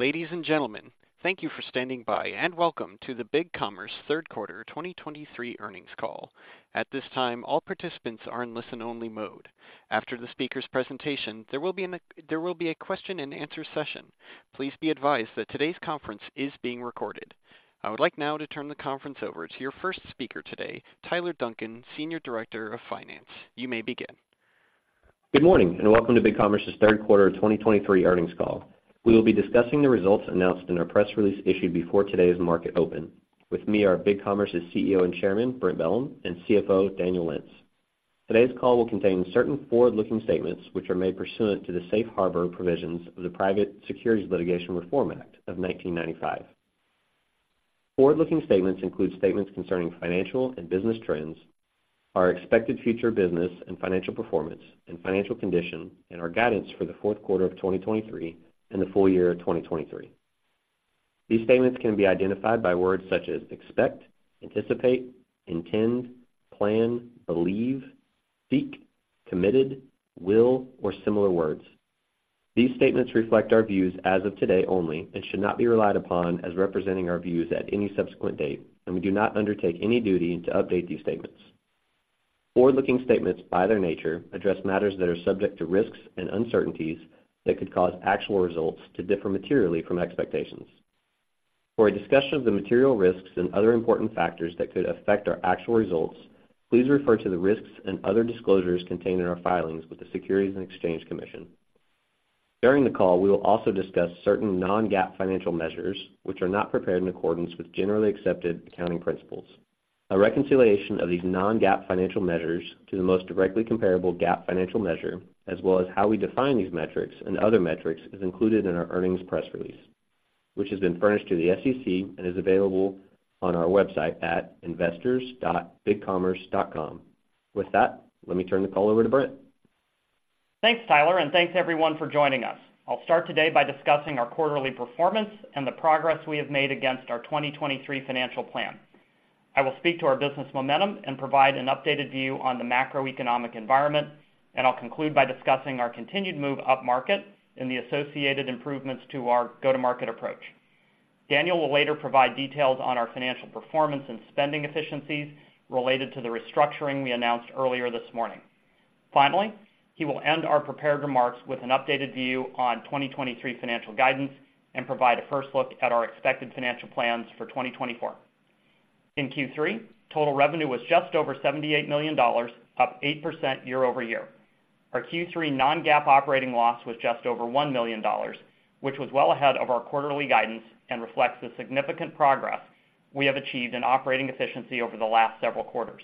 Ladies and gentlemen, thank you for standing by, and welcome to the BigCommerce Third Quarter 2023 Earnings Call. At this time, all participants are in listen-only mode. After the speaker's presentation, there will be a question-and-answer session. Please be advised that today's conference is being recorded. I would like now to turn the conference over to your first speaker today, Tyler Duncan, Senior Director of Finance. You may begin. Good morning, and welcome to BigCommerce's third quarter 2023 earnings call. We will be discussing the results announced in our press release issued before today's market open. With me are BigCommerce's CEO and Chairman, Brent Bellm, and CFO, Daniel Lentz. Today's call will contain certain forward-looking statements, which are made pursuant to the safe harbor provisions of the Private Securities Litigation Reform Act of 1995. Forward-looking statements include statements concerning financial and business trends, our expected future business and financial performance and financial condition, and our guidance for the fourth quarter of 2023 and the full year of 2023. These statements can be identified by words such as expect, anticipate, intend, plan, believe, seek, committed, will, or similar words. These statements reflect our views as of today only and should not be relied upon as representing our views at any subsequent date, and we do not undertake any duty to update these statements. Forward-looking statements, by their nature, address matters that are subject to risks and uncertainties that could cause actual results to differ materially from expectations. For a discussion of the material risks and other important factors that could affect our actual results, please refer to the risks and other disclosures contained in our filings with the Securities and Exchange Commission. During the call, we will also discuss certain non-GAAP financial measures, which are not prepared in accordance with generally accepted accounting principles. A reconciliation of these non-GAAP financial measures to the most directly comparable GAAP financial measure, as well as how we define these metrics and other metrics, is included in our earnings press release, which has been furnished to the SEC and is available on our website at investors.bigcommerce.com. With that, let me turn the call over to Brent. Thanks, Tyler, and thanks, everyone, for joining us. I'll start today by discussing our quarterly performance and the progress we have made against our 2023 financial plan. I will speak to our business momentum and provide an updated view on the macroeconomic environment, and I'll conclude by discussing our continued move upmarket and the associated improvements to our go-to-market approach. Daniel will later provide details on our financial performance and spending efficiencies related to the restructuring we announced earlier this morning. Finally, he will end our prepared remarks with an updated view on 2023 financial guidance and provide a first look at our expected financial plans for 2024. In Q3, total revenue was just over $78 million, up 8% year-over-year. Our Q3 non-GAAP operating loss was just over $1 million, which was well ahead of our quarterly guidance and reflects the significant progress we have achieved in operating efficiency over the last several quarters.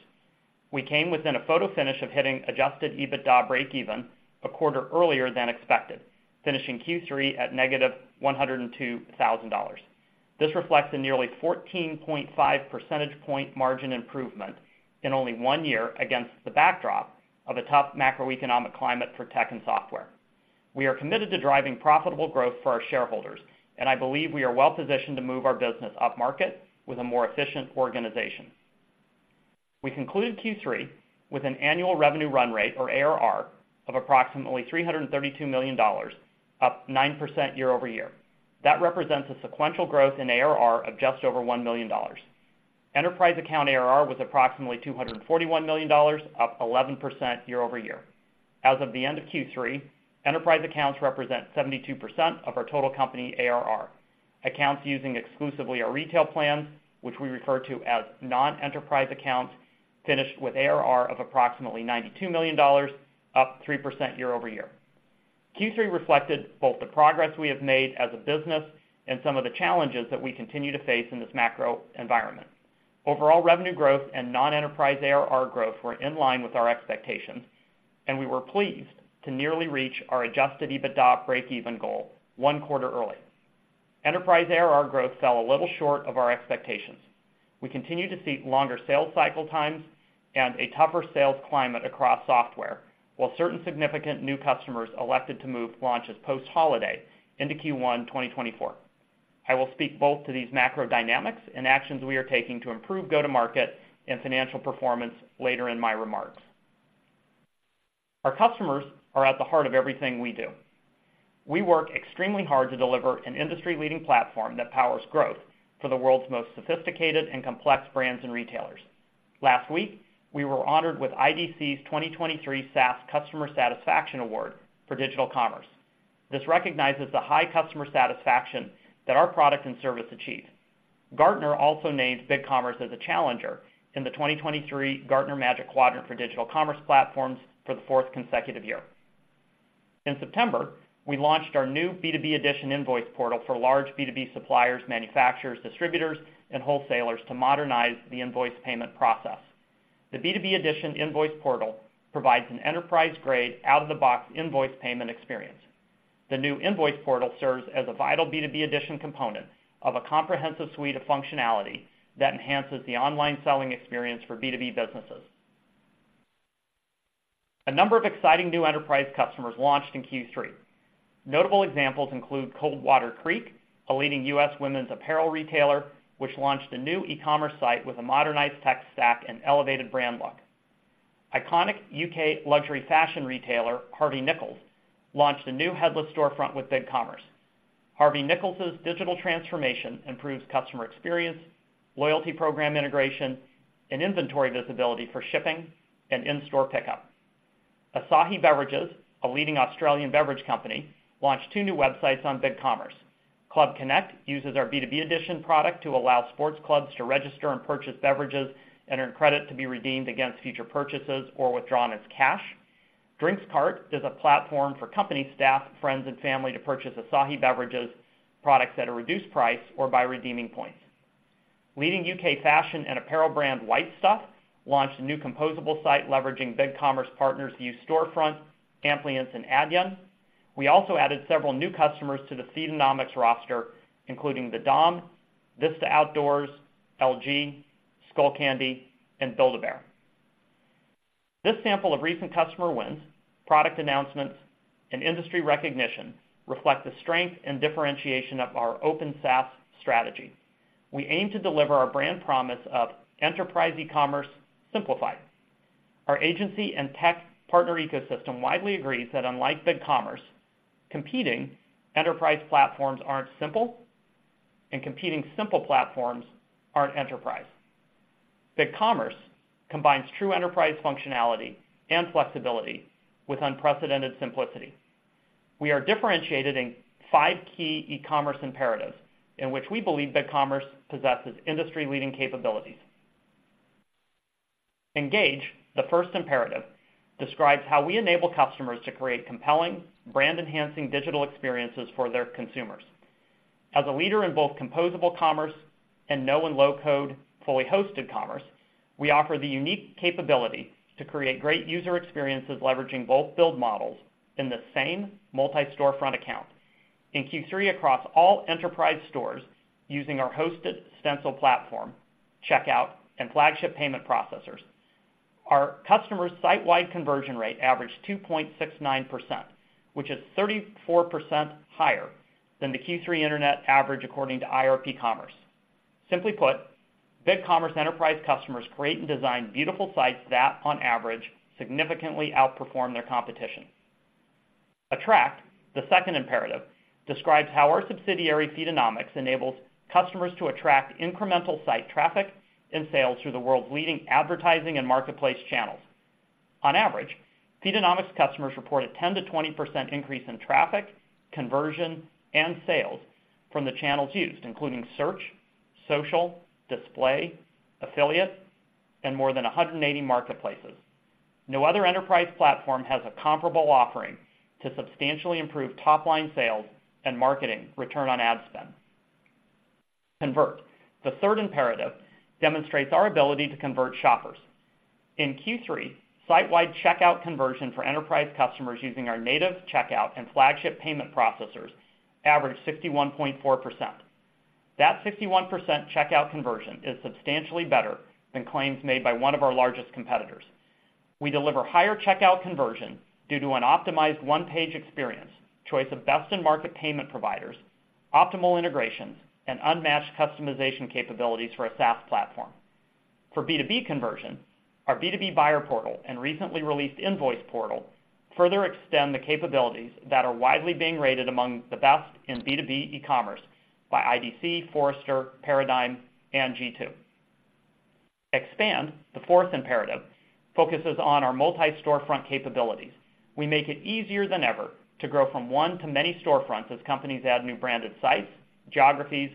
We came within a photo finish of hitting adjusted EBITDA breakeven a quarter earlier than expected, finishing Q3 at -$102,000. This reflects a nearly 14.5 percentage point margin improvement in only one year against the backdrop of a tough macroeconomic climate for tech and software. We are committed to driving profitable growth for our shareholders, and I believe we are well positioned to move our business upmarket with a more efficient organization. We concluded Q3 with an annual revenue run rate, or ARR, of approximately $332 million, up 9% year-over-year. That represents a sequential growth in ARR of just over $1 million. Enterprise account ARR was approximately $241 million, up 11% year over year. As of the end of Q3, enterprise accounts represent 72% of our total company ARR. Accounts using exclusively our retail plan, which we refer to as non-enterprise accounts, finished with ARR of approximately $92 million, up 3% year over year. Q3 reflected both the progress we have made as a business and some of the challenges that we continue to face in this macro environment. Overall revenue growth and non-enterprise ARR growth were in line with our expectations, and we were pleased to nearly reach our adjusted EBITDA breakeven goal one quarter early. Enterprise ARR growth fell a little short of our expectations. We continue to see longer sales cycle times and a tougher sales climate across software, while certain significant new customers elected to move launches post-holiday into Q1 2024. I will speak both to these macro dynamics and actions we are taking to improve go-to-market and financial performance later in my remarks. Our customers are at the heart of everything we do. We work extremely hard to deliver an industry-leading platform that powers growth for the world's most sophisticated and complex brands and retailers. Last week, we were honored with IDC's 2023 SaaS Customer Satisfaction Award for digital commerce. This recognizes the high customer satisfaction that our product and service achieve. Gartner also named BigCommerce as a challenger in the 2023 Gartner Magic Quadrant for Digital Commerce Platforms for the fourth consecutive year. In September, we launched our new B2B Edition Invoice Portal for large B2B suppliers, manufacturers, distributors, and wholesalers to modernize the invoice payment process. The B2B Edition Invoice Portal provides an enterprise-grade, out-of-the-box invoice payment experience. The new Invoice Portal serves as a vital B2B Edition component of a comprehensive suite of functionality that enhances the online selling experience for B2B businesses. A number of exciting new enterprise customers launched in Q3. Notable examples include Coldwater Creek, a leading U.S. women's apparel retailer, which launched a new e-commerce site with a modernized tech stack and elevated brand look. Iconic U.K. luxury fashion retailer, Harvey Nichols, launched a new headless storefront with BigCommerce. Harvey Nichols' digital transformation improves customer experience, loyalty program integration, and inventory visibility for shipping and in-store pickup. Asahi Beverages, a leading Australian beverage company, launched two new websites on BigCommerce. Club Connect uses our B2B Edition product to allow sports clubs to register and purchase beverages and earn credit to be redeemed against future purchases or withdrawn as cash. Drinks Cart is a platform for company staff, friends, and family to purchase Asahi Beverages products at a reduced price or by redeeming points. Leading UK fashion and apparel brand, White Stuff, launched a new composable site leveraging BigCommerce partners, Vue Storefront, Amplience, and Adyen. We also added several new customers to the Feedonomics roster, including The DOM, Vista Outdoor, LG, Skullcandy, and Build-A-Bear. This sample of recent customer wins, product announcements, and industry recognition reflect the strength and differentiation of our Open SaaS strategy. We aim to deliver our brand promise of enterprise commerce simplified. Our agency and tech partner ecosystem widely agrees that unlike BigCommerce, competing enterprise platforms aren't simple, and competing simple platforms aren't enterprise. BigCommerce combines true enterprise functionality and flexibility with unprecedented simplicity. We are differentiated in five key e-commerce imperatives, in which we believe BigCommerce possesses industry-leading capabilities. Engage, the first imperative, describes how we enable customers to create compelling, brand-enhancing digital experiences for their consumers. As a leader in both composable commerce and no and low code, fully hosted commerce, we offer the unique capability to create great user experiences, leveraging both build models in the same Multi-Storefront account. In Q3, across all enterprise stores, using our hosted Stencil platform, checkout, and flagship payment processors, our customer's site-wide conversion rate averaged 2.69%, which is 34% higher than the Q3 internet average, according to IRP Commerce. Simply put, BigCommerce enterprise customers create and design beautiful sites that, on average, significantly outperform their competition. Attract, the second imperative, describes how our subsidiary, Feedonomics, enables customers to attract incremental site traffic and sales through the world's leading advertising and marketplace channels. On average, Feedonomics customers report a 10%-20% increase in traffic, conversion, and sales from the channels used, including search, social, display, affiliate, and more than 180 marketplaces. No other enterprise platform has a comparable offering to substantially improve top-line sales and marketing return on ad spend. Convert, the third imperative, demonstrates our ability to convert shoppers. In Q3, site-wide checkout conversion for enterprise customers using our native checkout and flagship payment processors averaged 61.4%. That 61% checkout conversion is substantially better than claims made by one of our largest competitors. We deliver higher checkout conversion due to an optimized one-page experience, choice of best-in-market payment providers, optimal integrations, and unmatched customization capabilities for a SaaS platform. For B2B conversion, our B2B Buyer Portal and recently released Invoice Portal further extend the capabilities that are widely being rated among the best in B2B e-commerce by IDC, Forrester, Paradigm, and G2. Expand, the fourth imperative, focuses on our Multi-Storefront capabilities. We make it easier than ever to grow from one to many storefronts as companies add new branded sites, geographies,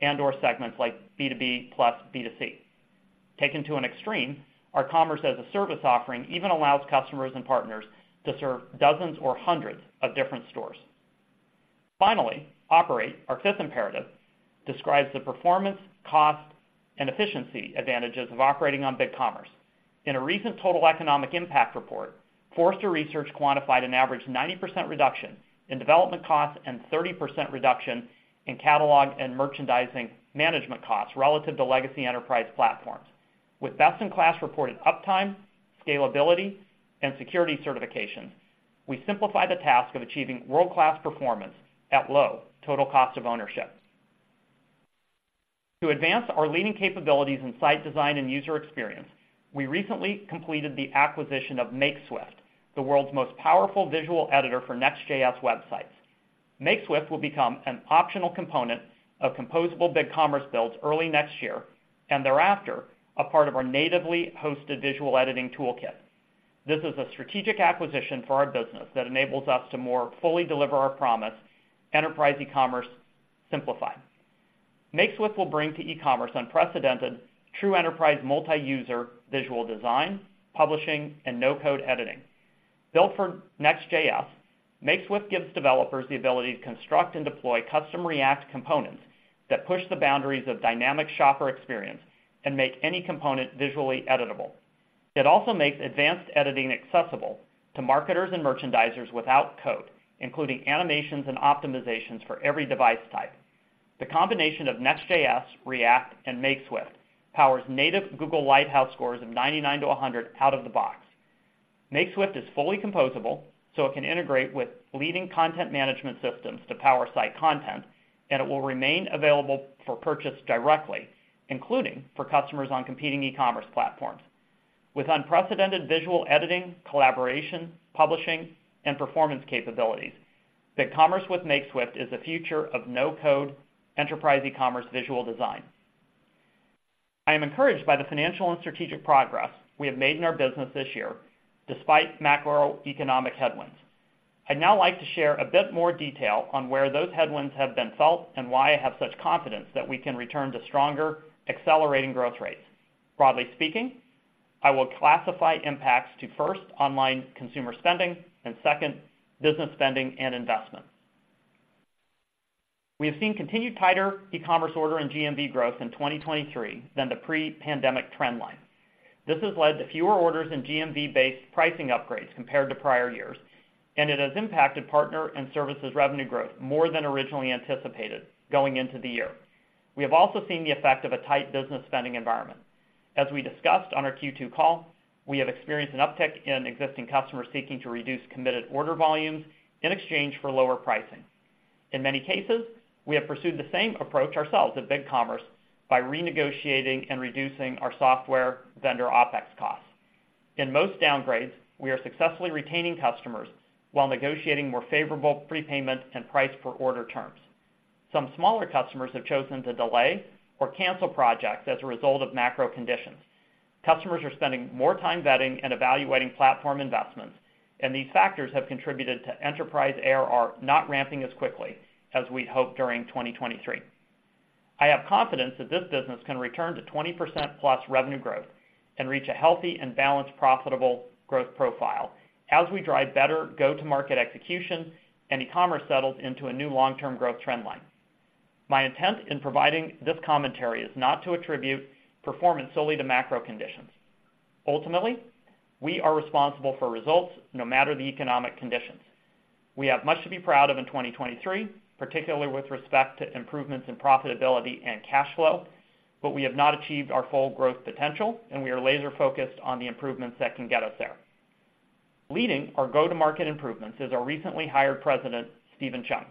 and/or segments like B2B plus B2C. Taken to an extreme, our commerce as a service offering even allows customers and partners to serve dozens or hundreds of different stores. Finally, Operate, our fifth imperative, describes the performance, cost, and efficiency advantages of operating on BigCommerce. In a recent Total Economic Impact report, Forrester quantified an average 90% reduction in development costs and 30% reduction in catalog and merchandising management costs relative to legacy enterprise platforms. With best-in-class reported uptime, scalability, and security certifications, we simplify the task of achieving world-class performance at low total cost of ownership. To advance our leading capabilities in site design and user experience, we recently completed the acquisition of Makeswift, the world's most powerful visual editor for Next.js websites. Makeswift will become an optional component of composable BigCommerce builds early next year, and thereafter, a part of our natively hosted visual editing toolkit. This is a strategic acquisition for our business that enables us to more fully deliver our promise, enterprise e-commerce simplified. Makeswift will bring to e-commerce unprecedented true enterprise multi-user visual design, publishing, and no-code editing. Built for Next.js, Makeswift gives developers the ability to construct and deploy custom React components that push the boundaries of dynamic shopper experience and make any component visually editable. It also makes advanced editing accessible to marketers and merchandisers without code, including animations and optimizations for every device type. The combination of Next.js, React, and Makeswift powers native Google Lighthouse scores of 99-100 out of the box... Makeswift is fully composable, so it can integrate with leading content management systems to power site content, and it will remain available for purchase directly, including for customers on competing e-commerce platforms. With unprecedented visual editing, collaboration, publishing, and performance capabilities, BigCommerce with Makeswift is the future of no-code enterprise e-commerce visual design. I am encouraged by the financial and strategic progress we have made in our business this year, despite macroeconomic headwinds. I'd now like to share a bit more detail on where those headwinds have been felt and why I have such confidence that we can return to stronger, accelerating growth rates. Broadly speaking, I will classify impacts to, first, online consumer spending, and second, business spending and investment. We have seen continued tighter e-commerce order and GMV growth in 2023 than the pre-pandemic trend line. This has led to fewer orders in GMV-based pricing upgrades compared to prior years, and it has impacted partner and services revenue growth more than originally anticipated going into the year. We have also seen the effect of a tight business spending environment. As we discussed on our Q2 call, we have experienced an uptick in existing customers seeking to reduce committed order volumes in exchange for lower pricing. In many cases, we have pursued the same approach ourselves at BigCommerce by renegotiating and reducing our software vendor OpEx costs. In most downgrades, we are successfully retaining customers while negotiating more favorable prepayment and price per order terms. Some smaller customers have chosen to delay or cancel projects as a result of macro conditions. Customers are spending more time vetting and evaluating platform investments, and these factors have contributed to enterprise ARR not ramping as quickly as we'd hoped during 2023. I have confidence that this business can return to 20%+ revenue growth and reach a healthy and balanced, profitable growth profile as we drive better go-to-market execution and e-commerce settles into a new long-term growth trend line. My intent in providing this commentary is not to attribute performance solely to macro conditions. Ultimately, we are responsible for results, no matter the economic conditions. We have much to be proud of in 2023, particularly with respect to improvements in profitability and cash flow, but we have not achieved our full growth potential, and we are laser focused on the improvements that can get us there. Leading our go-to-market improvements is our recently hired president, Steven Chung.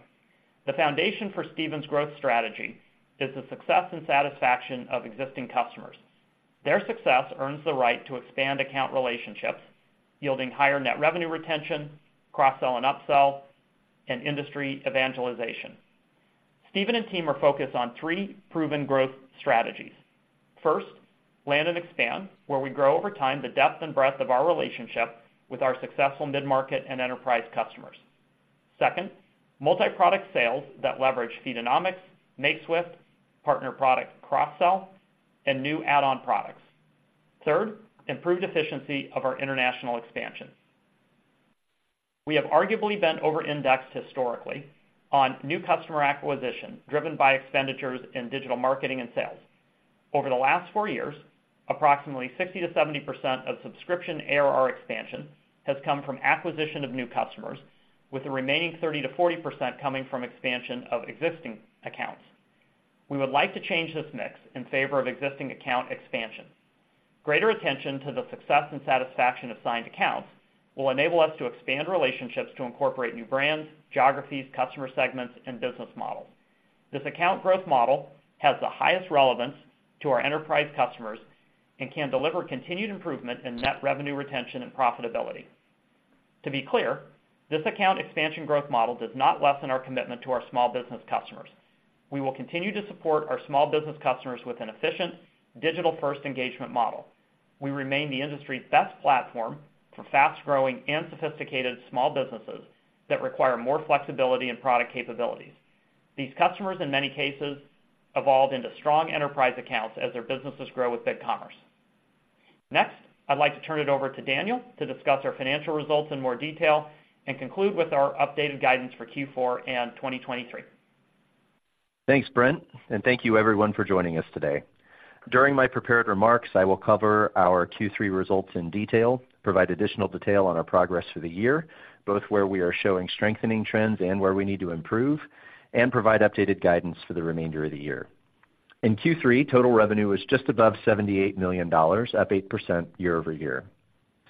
The foundation for Steven's growth strategy is the success and satisfaction of existing customers. Their success earns the right to expand account relationships, yielding higher net revenue retention, cross-sell and upsell, and industry evangelization. Steven and team are focused on three proven growth strategies. First, land and expand, where we grow over time, the depth and breadth of our relationship with our successful mid-market and enterprise customers. Second, multi-product sales that leverage Feedonomics, Makeswift, partner product cross-sell, and new add-on products. Third, improved efficiency of our international expansion. We have arguably been over-indexed historically on new customer acquisition, driven by expenditures in digital marketing and sales. Over the last 4 years, approximately 60%-70% of subscription ARR expansion has come from acquisition of new customers, with the remaining 30%-40% coming from expansion of existing accounts. We would like to change this mix in favor of existing account expansion. Greater attention to the success and satisfaction of signed accounts will enable us to expand relationships to incorporate new brands, geographies, customer segments, and business models. This account growth model has the highest relevance to our enterprise customers and can deliver continued improvement in net revenue, retention, and profitability. To be clear, this account expansion growth model does not lessen our commitment to our small business customers. We will continue to support our small business customers with an efficient, digital-first engagement model. We remain the industry's best platform for fast-growing and sophisticated small businesses that require more flexibility and product capabilities. These customers, in many cases, evolved into strong enterprise accounts as their businesses grow with BigCommerce. Next, I'd like to turn it over to Daniel to discuss our financial results in more detail and conclude with our updated guidance for Q4 and 2023. Thanks, Brent, and thank you everyone for joining us today. During my prepared remarks, I will cover our Q3 results in detail, provide additional detail on our progress for the year, both where we are showing strengthening trends and where we need to improve, and provide updated guidance for the remainder of the year. In Q3, total revenue was just above $78 million, up 8% year-over-year.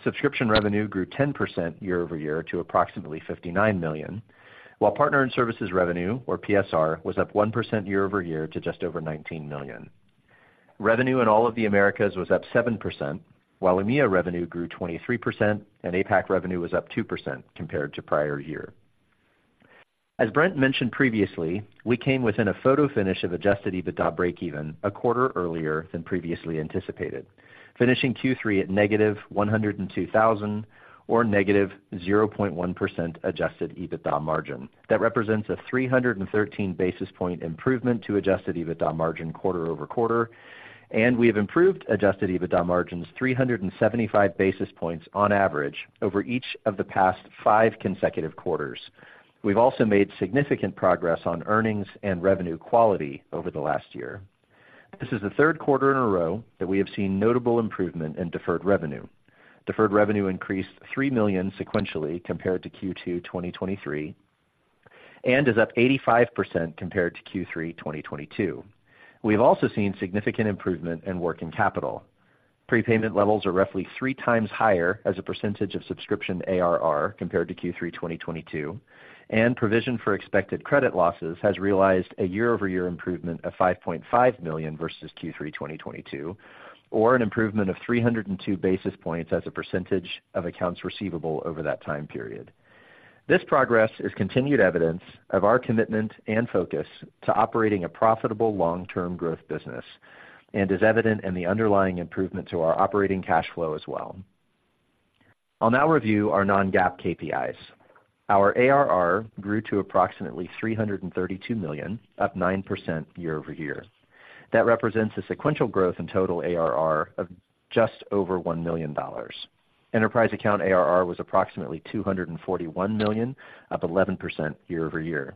Subscription revenue grew 10% year-over-year to approximately $59 million, while partner and services revenue, or PSR, was up 1% year-over-year to just over $19 million. Revenue in all of the Americas was up 7%, while EMEA revenue grew 23% and APAC revenue was up 2% compared to prior year. As Brent mentioned previously, we came within a photo finish of Adjusted EBITDA breakeven a quarter earlier than previously anticipated, finishing Q3 at -$102,000, or -0.1% Adjusted EBITDA margin. That represents a 313 basis point improvement to Adjusted EBITDA margin quarter over quarter, and we have improved Adjusted EBITDA margins 375 basis points on average over each of the past five consecutive quarters. We've also made significant progress on earnings and revenue quality over the last year. This is the third quarter in a row that we have seen notable improvement in deferred revenue. Deferred revenue increased $3 million sequentially compared to Q2 2023, and is up 85% compared to Q3 2022. We've also seen significant improvement in working capital. Prepayment levels are roughly three times higher as a percentage of subscription ARR compared to Q3 2022, and provision for expected credit losses has realized a year-over-year improvement of $5.5 million versus Q3 2022, or an improvement of 302 basis points as a percentage of accounts receivable over that time period. This progress is continued evidence of our commitment and focus to operating a profitable long-term growth business, and is evident in the underlying improvement to our operating cash flow as well. I'll now review our non-GAAP KPIs. Our ARR grew to approximately $332 million, up 9% year over year. That represents a sequential growth in total ARR of just over $1 million. Enterprise account ARR was approximately $241 million, up 11% year over year.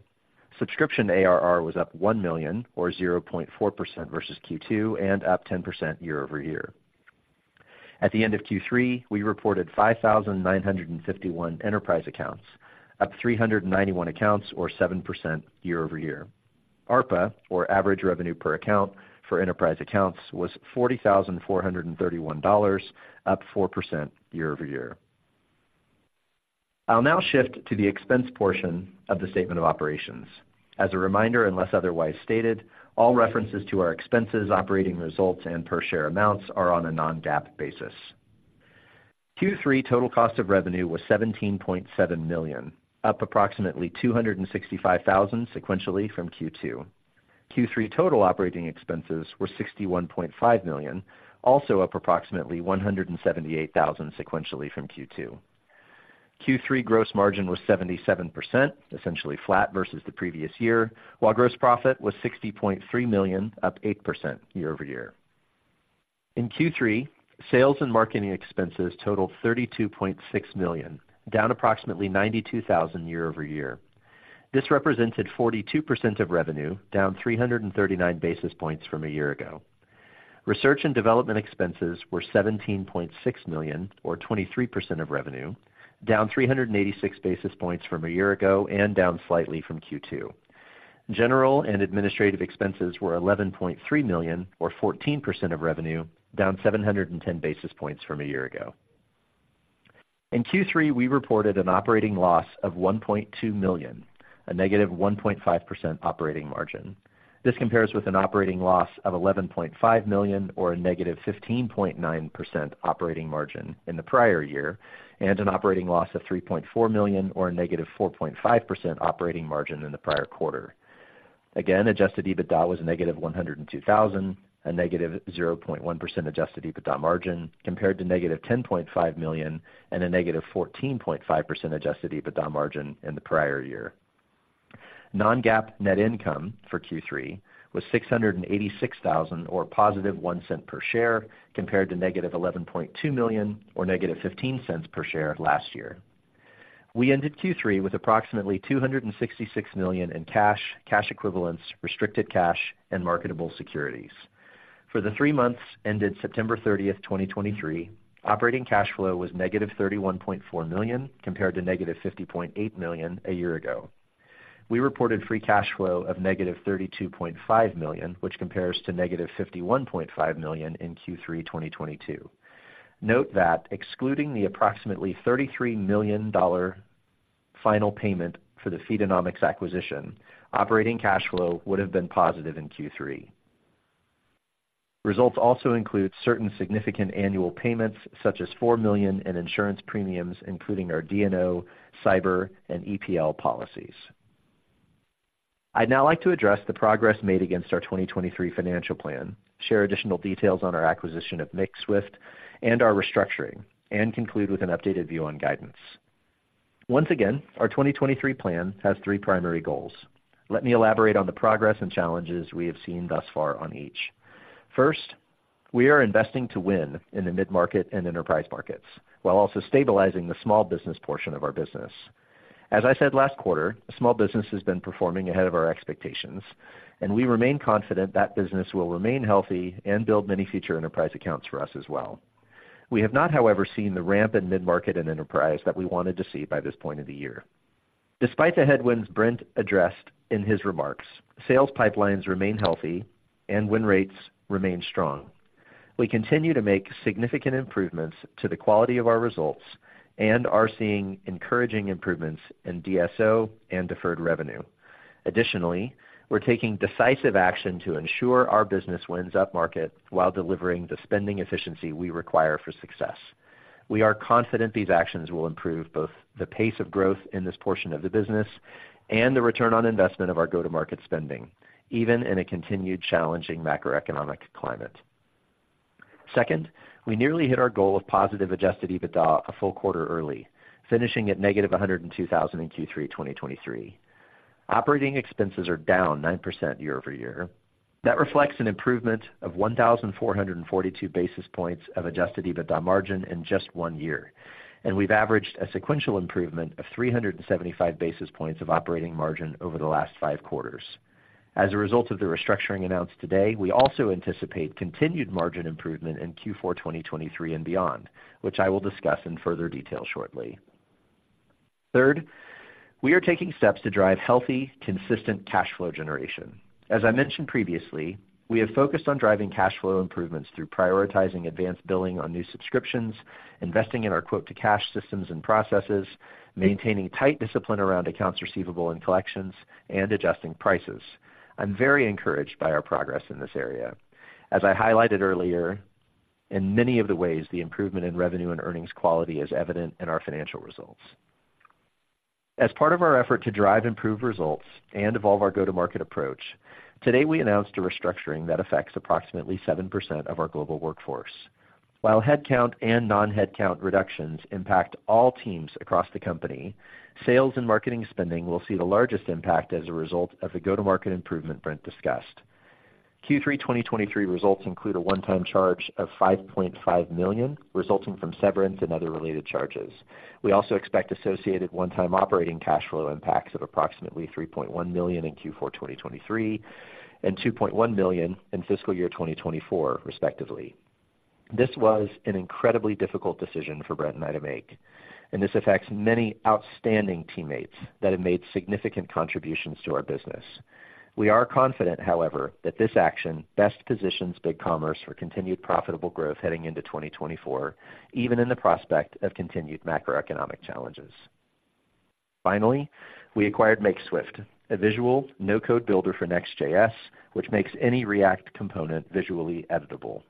Subscription ARR was up $1 million, or 0.4% versus Q2, and up 10% year-over-year. At the end of Q3, we reported 5,951 enterprise accounts, up 391 accounts, or 7% year-over-year. ARPA, or Average Revenue Per Account, for enterprise accounts, was $40,431, up 4% year-over-year. I'll now shift to the expense portion of the statement of operations. As a reminder, unless otherwise stated, all references to our expenses, operating results, and per share amounts are on a non-GAAP basis. Q3 total cost of revenue was $17.7 million, up approximately $265,000 sequentially from Q2. Q3 total operating expenses were $61.5 million, also up approximately $178,000 sequentially from Q2. Q3 gross margin was 77%, essentially flat versus the previous year, while gross profit was $60.3 million, up 8% year-over-year. In Q3, sales and marketing expenses totaled $32.6 million, down approximately $92,000 year-over-year. This represented 42% of revenue, down 339 basis points from a year ago. Research and development expenses were $17.6 million, or 23% of revenue, down 386 basis points from a year ago, and down slightly from Q2. General and administrative expenses were $11.3 million, or 14% of revenue, down 710 basis points from a year ago. In Q3, we reported an operating loss of $1.2 million, a negative 1.5% operating margin. This compares with an operating loss of $11.5 million, or a -15.9% operating margin in the prior year, and an operating loss of $3.4 million, or a -4.5% operating margin in the prior quarter. Again, adjusted EBITDA was -$102,000, a -0.1% adjusted EBITDA margin, compared to -$10.5 million and a -14.5% adjusted EBITDA margin in the prior year. Non-GAAP net income for Q3 was $686,000, or +$0.01 per share, compared to -$11.2 million, or -$0.15 per share last year. We ended Q3 with approximately $266 million in cash, cash equivalents, restricted cash, and marketable securities. For the three months ended September 30, 2023, operating cash flow was negative $31.4 million, compared to negative $50.8 million a year ago. We reported free cash flow of negative $32.5 million, which compares to negative $51.5 million in Q3 2022. Note that excluding the approximately $33 million final payment for the Feedonomics acquisition, operating cash flow would have been positive in Q3. Results also include certain significant annual payments, such as $4 million in insurance premiums, including our D&O, cyber, and EPL policies. I'd now like to address the progress made against our 2023 financial plan, share additional details on our acquisition of Makeswift, and our restructuring, and conclude with an updated view on guidance. Once again, our 2023 plan has three primary goals. Let me elaborate on the progress and challenges we have seen thus far on each. First, we are investing to win in the mid-market and enterprise markets, while also stabilizing the small business portion of our business. As I said last quarter, small business has been performing ahead of our expectations, and we remain confident that business will remain healthy and build many future enterprise accounts for us as well. We have not, however, seen the ramp in mid-market and enterprise that we wanted to see by this point of the year. Despite the headwinds Brent addressed in his remarks, sales pipelines remain healthy and win rates remain strong. We continue to make significant improvements to the quality of our results and are seeing encouraging improvements in DSO and deferred revenue. Additionally, we're taking decisive action to ensure our business wins upmarket while delivering the spending efficiency we require for success. We are confident these actions will improve both the pace of growth in this portion of the business and the return on investment of our go-to-market spending, even in a continued challenging macroeconomic climate. Second, we nearly hit our goal of positive Adjusted EBITDA a full quarter early, finishing at negative $102,000 in Q3 2023. Operating expenses are down 9% year-over-year. That reflects an improvement of 1,442 basis points of Adjusted EBITDA margin in just one year, and we've averaged a sequential improvement of 375 basis points of operating margin over the last five quarters. As a result of the restructuring announced today, we also anticipate continued margin improvement in Q4 2023 and beyond, which I will discuss in further detail shortly. Third, we are taking steps to drive healthy, consistent cash flow generation. As I mentioned previously, we have focused on driving cash flow improvements through prioritizing advanced billing on new subscriptions, investing in our quote to cash systems and processes, maintaining tight discipline around accounts receivable and collections, and adjusting prices. I'm very encouraged by our progress in this area. As I highlighted earlier, in many of the ways, the improvement in revenue and earnings quality is evident in our financial results. As part of our effort to drive improved results and evolve our go-to-market approach, today we announced a restructuring that affects approximately 7% of our global workforce. While headcount and non-headcount reductions impact all teams across the company, sales and marketing spending will see the largest impact as a result of the go-to-market improvement Brent discussed. Q3 2023 results include a one-time charge of $5.5 million, resulting from severance and other related charges. We also expect associated one-time operating cash flow impacts of approximately $3.1 million in Q4 2023, and $2.1 million in fiscal year 2024, respectively. This was an incredibly difficult decision for Brent and I to make, and this affects many outstanding teammates that have made significant contributions to our business. We are confident, however, that this action best positions BigCommerce for continued profitable growth heading into 2024, even in the prospect of continued macroeconomic challenges. Finally, we acquired Makeswift, a visual, no-code builder for Next.js, which makes any React component visually editable.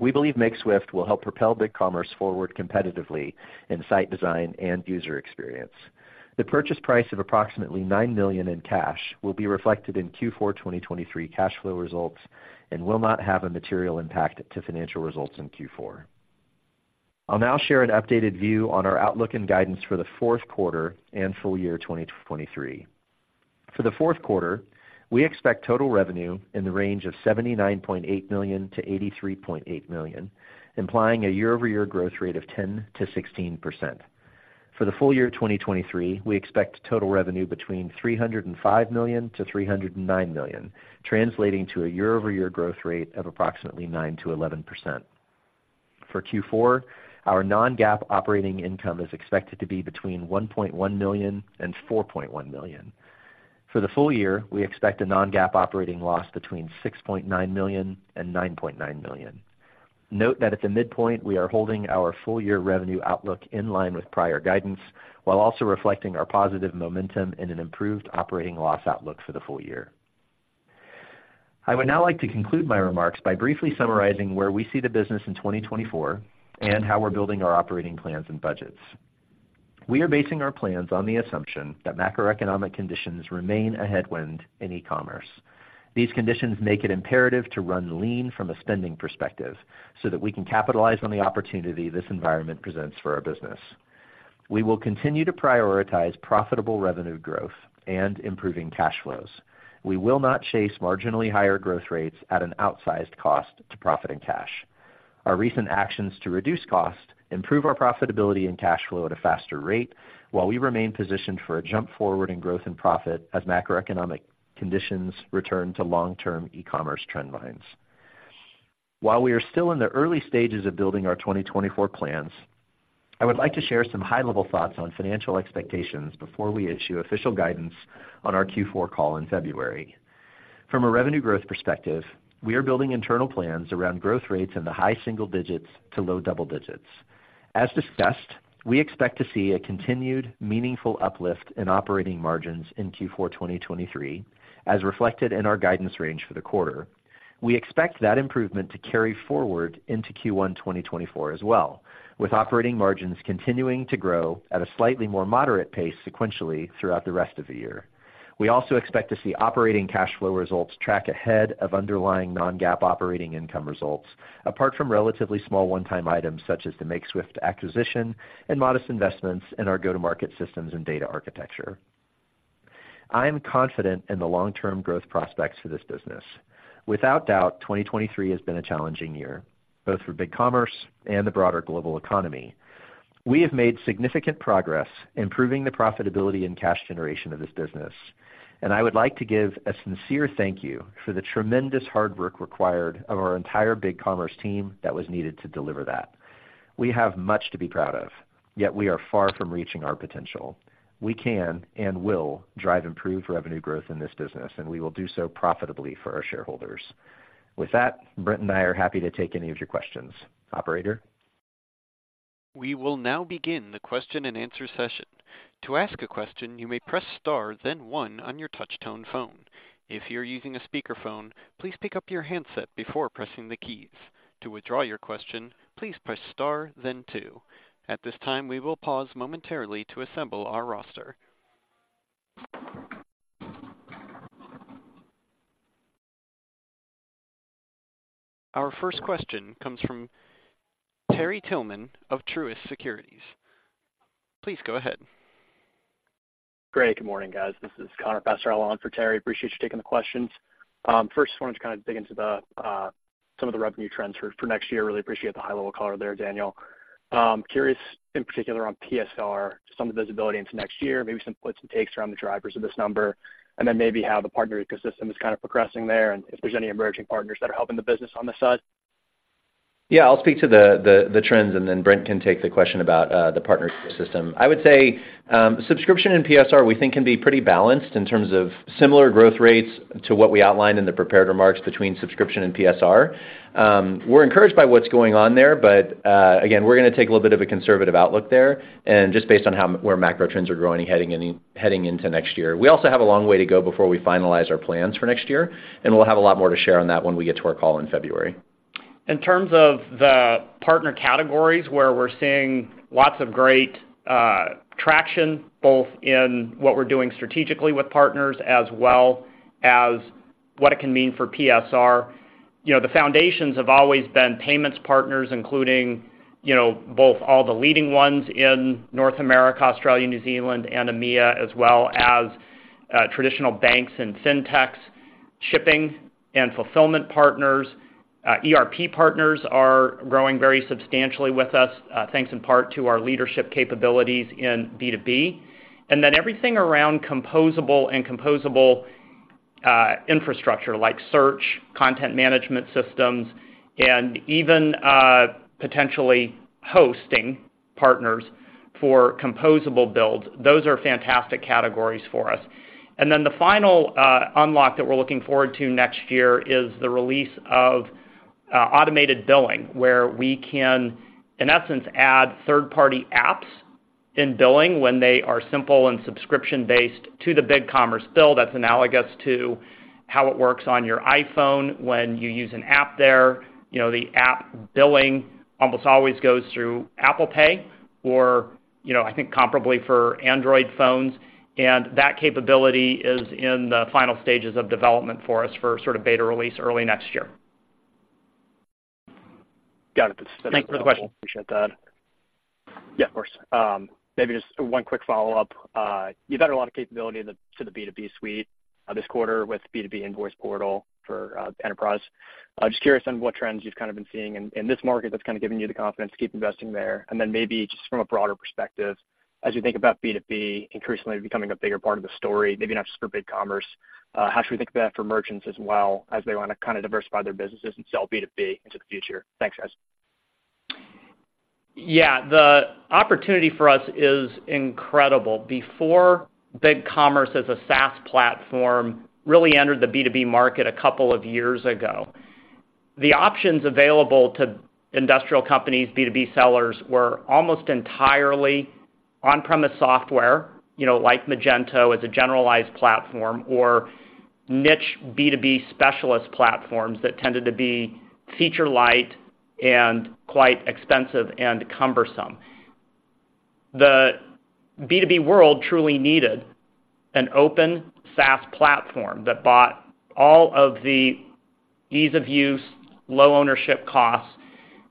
We believe Makeswift will help propel BigCommerce forward competitively in site design and user experience. The purchase price of approximately $9 million in cash will be reflected in Q4 2023 cash flow results and will not have a material impact to financial results in Q4. I'll now share an updated view on our outlook and guidance for the fourth quarter and full year 2023. For the fourth quarter, we expect total revenue in the range of $79.8 million-$83.8 million, implying a year-over-year growth rate of 10%-16%. For the full year 2023, we expect total revenue between $305 million-$309 million, translating to a year-over-year growth rate of approximately 9%-11%. For Q4, our non-GAAP operating income is expected to be between $1.1 million and $4.1 million. For the full year, we expect a non-GAAP operating loss between $6.9 million and $9.9 million. Note that at the midpoint, we are holding our full year revenue outlook in line with prior guidance, while also reflecting our positive momentum and an improved operating loss outlook for the full year. I would now like to conclude my remarks by briefly summarizing where we see the business in 2024 and how we're building our operating plans and budgets. We are basing our plans on the assumption that macroeconomic conditions remain a headwind in e-commerce. These conditions make it imperative to run lean from a spending perspective, so that we can capitalize on the opportunity this environment presents for our business. We will continue to prioritize profitable revenue growth and improving cash flows. We will not chase marginally higher growth rates at an outsized cost to profit and cash. Our recent actions to reduce costs, improve our profitability and cash flow at a faster rate, while we remain positioned for a jump forward in growth and profit as macroeconomic conditions return to long-term e-commerce trend lines. While we are still in the early stages of building our 2024 plans, I would like to share some high-level thoughts on financial expectations before we issue official guidance on our Q4 call in February. From a revenue growth perspective, we are building internal plans around growth rates in the high single digits to low double digits. As discussed, we expect to see a continued meaningful uplift in operating margins in Q4 2023, as reflected in our guidance range for the quarter. We expect that improvement to carry forward into Q1 2024 as well, with operating margins continuing to grow at a slightly more moderate pace sequentially throughout the rest of the year. We also expect to see operating cash flow results track ahead of underlying non-GAAP operating income results, apart from relatively small one-time items, such as the Makeswift acquisition and modest investments in our go-to-market systems and data architecture. I am confident in the long-term growth prospects for this business. Without doubt, 2023 has been a challenging year, both for BigCommerce and the broader global economy. We have made significant progress improving the profitability and cash generation of this business, and I would like to give a sincere thank you for the tremendous hard work required of our entire BigCommerce team that was needed to deliver that. We have much to be proud of, yet we are far from reaching our potential. We can and will drive improved revenue growth in this business, and we will do so profitably for our shareholders. With that, Brent and I are happy to take any of your questions. Operator? We will now begin the question-and-answer session. To ask a question, you may press Star, then one on your touch tone phone. If you're using a speakerphone, please pick up your handset before pressing the keys. To withdraw your question, please press Star, then two. At this time, we will pause momentarily to assemble our roster. Our first question comes from Terry Tillman of Truist Securities. Please go ahead. Great. Good morning, guys. This is Connor Passarella on for Terry. Appreciate you taking the questions. First, I just wanted to kind of dig into some of the revenue trends for next year. Really appreciate the high-level color there, Daniel. Curious, in particular on PSR, just some of the visibility into next year, maybe some puts and takes around the drivers of this number, and then maybe how the partner ecosystem is kind of progressing there, and if there's any emerging partners that are helping the business on this side. Yeah, I'll speak to the trends, and then Brent can take the question about the partner system. I would say, subscription and PSR, we think, can be pretty balanced in terms of similar growth rates to what we outlined in the prepared remarks between subscription and PSR. We're encouraged by what's going on there, but again, we're gonna take a little bit of a conservative outlook there, and just based on how where macro trends are growing and heading into next year. We also have a long way to go before we finalize our plans for next year, and we'll have a lot more to share on that when we get to our call in February. In terms of the partner categories, where we're seeing lots of great traction, both in what we're doing strategically with partners as well as what it can mean for PSR. You know, the foundations have always been payments partners, including, you know, both all the leading ones in North America, Australia, New Zealand, and EMEA, as well as traditional banks and Fintechs, shipping and fulfillment partners. ERP partners are growing very substantially with us, thanks in part to our leadership capabilities in B2B. And then everything around composable and composable infrastructure like search, content management systems, and even potentially hosting partners for composable builds. Those are fantastic categories for us. The final unlock that we're looking forward to next year is the release of automated billing, where we can, in essence, add third-party apps in billing when they are simple and subscription-based to the BigCommerce bill. That's analogous to how it works on your iPhone when you use an app there. You know, the app billing almost always goes through Apple Pay or, you know, I think comparably for Android phones, and that capability is in the final stages of development for us for sort of beta release early next year. Got it. Thanks for the question. Appreciate that. Yeah, of course. Maybe just one quick follow-up. You've added a lot of capability to the B2B suite this quarter with B2B invoice portal for enterprise. I'm just curious on what trends you've kind of been seeing in this market that's kind of given you the confidence to keep investing there. And then maybe just from a broader perspective, as you think about B2B increasingly becoming a bigger part of the story, maybe not just for BigCommerce, how should we think about it for merchants as well, as they want to kind of diversify their businesses and sell B2B into the future? Thanks, guys. Yeah, the opportunity for us is incredible. Before BigCommerce, as a SaaS platform, really entered the B2B market a couple of years ago, the options available to industrial companies, B2B sellers, were almost entirely on-premise software, you know, like Magento as a generalized platform, or niche B2B specialist platforms that tended to be feature light and quite expensive and cumbersome. The B2B world truly needed an open SaaS platform that brought all of the ease of use, low ownership costs,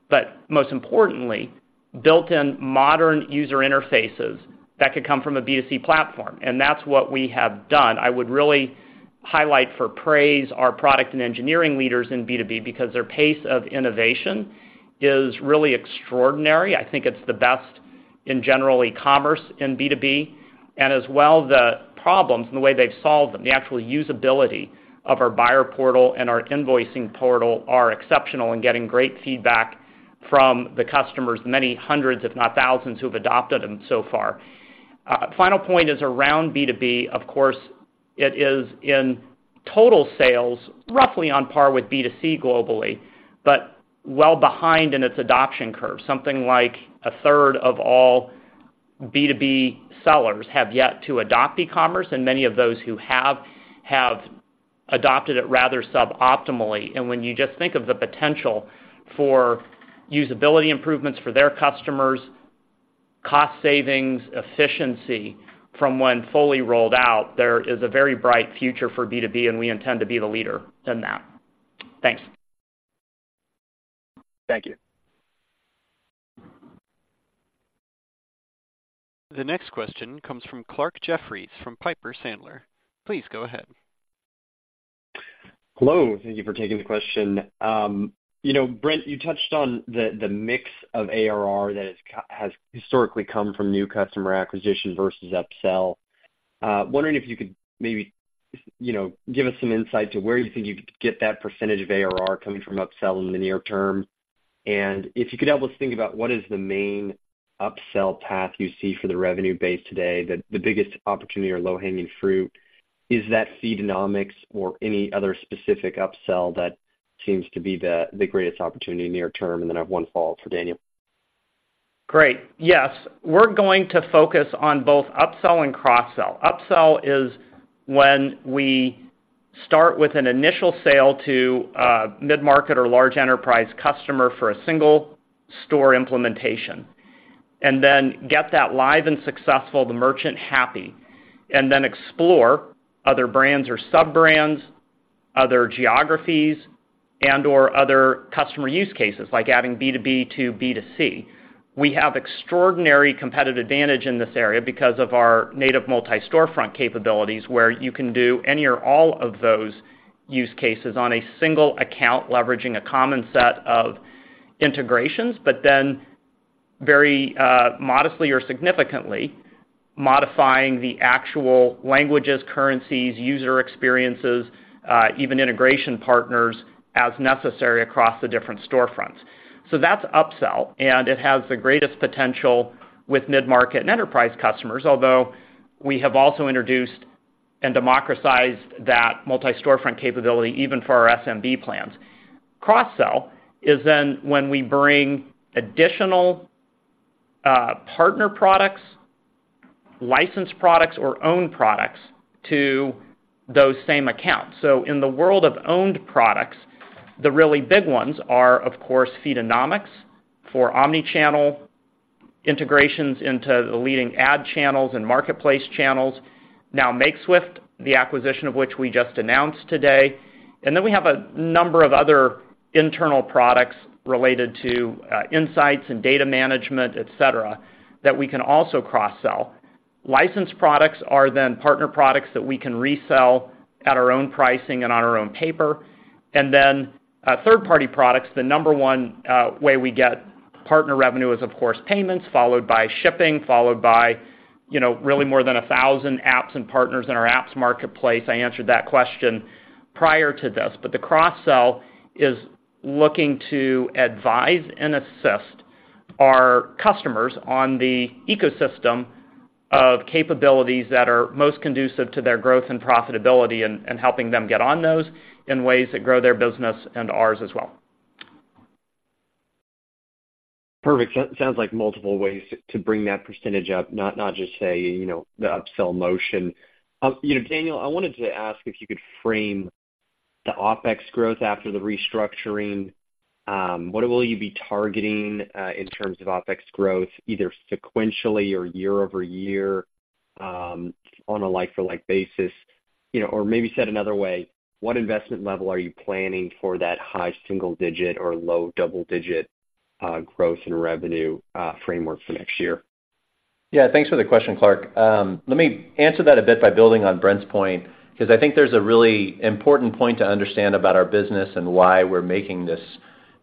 but most importantly, built-in modern user interfaces that could come from a B2C platform, and that's what we have done. I would really highlight for praise our product and engineering leaders in B2B, because their pace of innovation is really extraordinary. I think it's the best in general e-commerce, in B2B, and as well, the problems and the way they've solved them, the actual usability of our buyer portal and our invoicing portal are exceptional and getting great feedback from the customers, many hundreds, if not thousands, who have adopted them so far. Final point is around B2B. Of course, it is in total sales, roughly on par with B2C globally, but well behind in its adoption curve. Something like a third of all B2B sellers have yet to adopt e-commerce, and many of those who have, have adopted it rather suboptimally. And when you just think of the potential for usability improvements for their customers, cost savings, efficiency from when fully rolled out, there is a very bright future for B2B, and we intend to be the leader in that. Thanks. Thank you. The next question comes from Clarke Jeffries from Piper Sandler. Please go ahead. Hello, thank you for taking the question. You know, Brent, you touched on the mix of ARR that has historically come from new customer acquisition versus upsell. Wondering if you could maybe, you know, give us some insight to where you think you could get that percentage of ARR coming from upsell in the near term, and if you could help us think about what is the main upsell path you see for the revenue base today, the biggest opportunity or low-hanging fruit, is that Feedonomics or any other specific upsell that seems to be the greatest opportunity near term? And then I have one follow-up for Daniel. Great. Yes, we're going to focus on both upsell and cross-sell. Upsell is when we start with an initial sale to a mid-market or large enterprise customer for a single store implementation, and then get that live and successful, the merchant happy, and then explore other brands or sub-brands, other geographies... and or other customer use cases, like adding B2B to B2C. We have extraordinary competitive advantage in this area because of our native Multi-Storefront capabilities, where you can do any or all of those use cases on a single account, leveraging a common set of integrations, but then very, modestly or significantly modifying the actual languages, currencies, user experiences, even integration partners, as necessary, across the different storefronts. So that's upsell, and it has the greatest potential with mid-market and enterprise customers, although we have also introduced and democratized that Multi-Storefront capability even for our SMB plans. Cross-sell is then when we bring additional, partner products, licensed products, or own products to those same accounts. So in the world of owned products, the really big ones are, of course, Feedonomics for omni-channel integrations into the leading ad channels and marketplace channels. Now, Makeswift, the acquisition of which we just announced today, and then we have a number of other internal products related to, insights and data management, et cetera, that we can also cross-sell. Licensed products are then partner products that we can resell at our own pricing and on our own paper. And then, third-party products, the number one way we get partner revenue is, of course, payments, followed by shipping, followed by, you know, really more than a thousand apps and partners in our apps marketplace. I answered that question prior to this, but the cross-sell is looking to advise and assist our customers on the ecosystem of capabilities that are most conducive to their growth and profitability, and helping them get on those in ways that grow their business and ours as well. Perfect. Sounds like multiple ways to bring that percentage up, not just say, you know, the upsell motion. You know, Daniel, I wanted to ask if you could frame the OpEx growth after the restructuring. What will you be targeting in terms of OpEx growth, either sequentially or year-over-year, on a like for like basis? You know, or maybe said another way, what investment level are you planning for that high single digit or low double digit growth in revenue framework for next year? Yeah, thanks for the question, Clarke. Let me answer that a bit by building on Brent's point, because I think there's a really important point to understand about our business and why we're making this,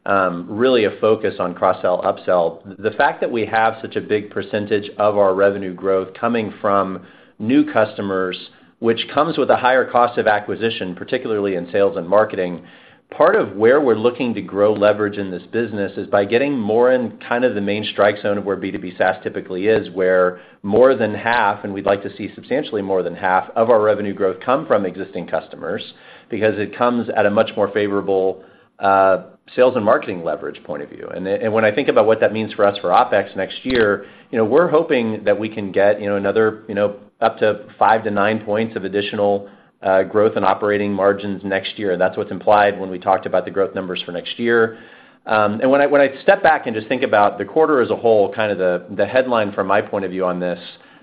really a focus on cross-sell, upsell. The fact that we have such a big percentage of our revenue growth coming from new customers, which comes with a higher cost of acquisition, particularly in sales and marketing, part of where we're looking to grow leverage in this business is by getting more in kind of the main strike zone of where B2B SaaS typically is, where more than half, and we'd like to see substantially more than half, of our revenue growth come from existing customers, because it comes at a much more favorable, sales and marketing leverage point of view. When I think about what that means for us for OpEx next year, you know, we're hoping that we can get, you know, another, you know, up to 5-9 points of additional growth and operating margins next year. That's what's implied when we talked about the growth numbers for next year. And when I, when I step back and just think about the quarter as a whole, kind of the, the headline from my point of view on this,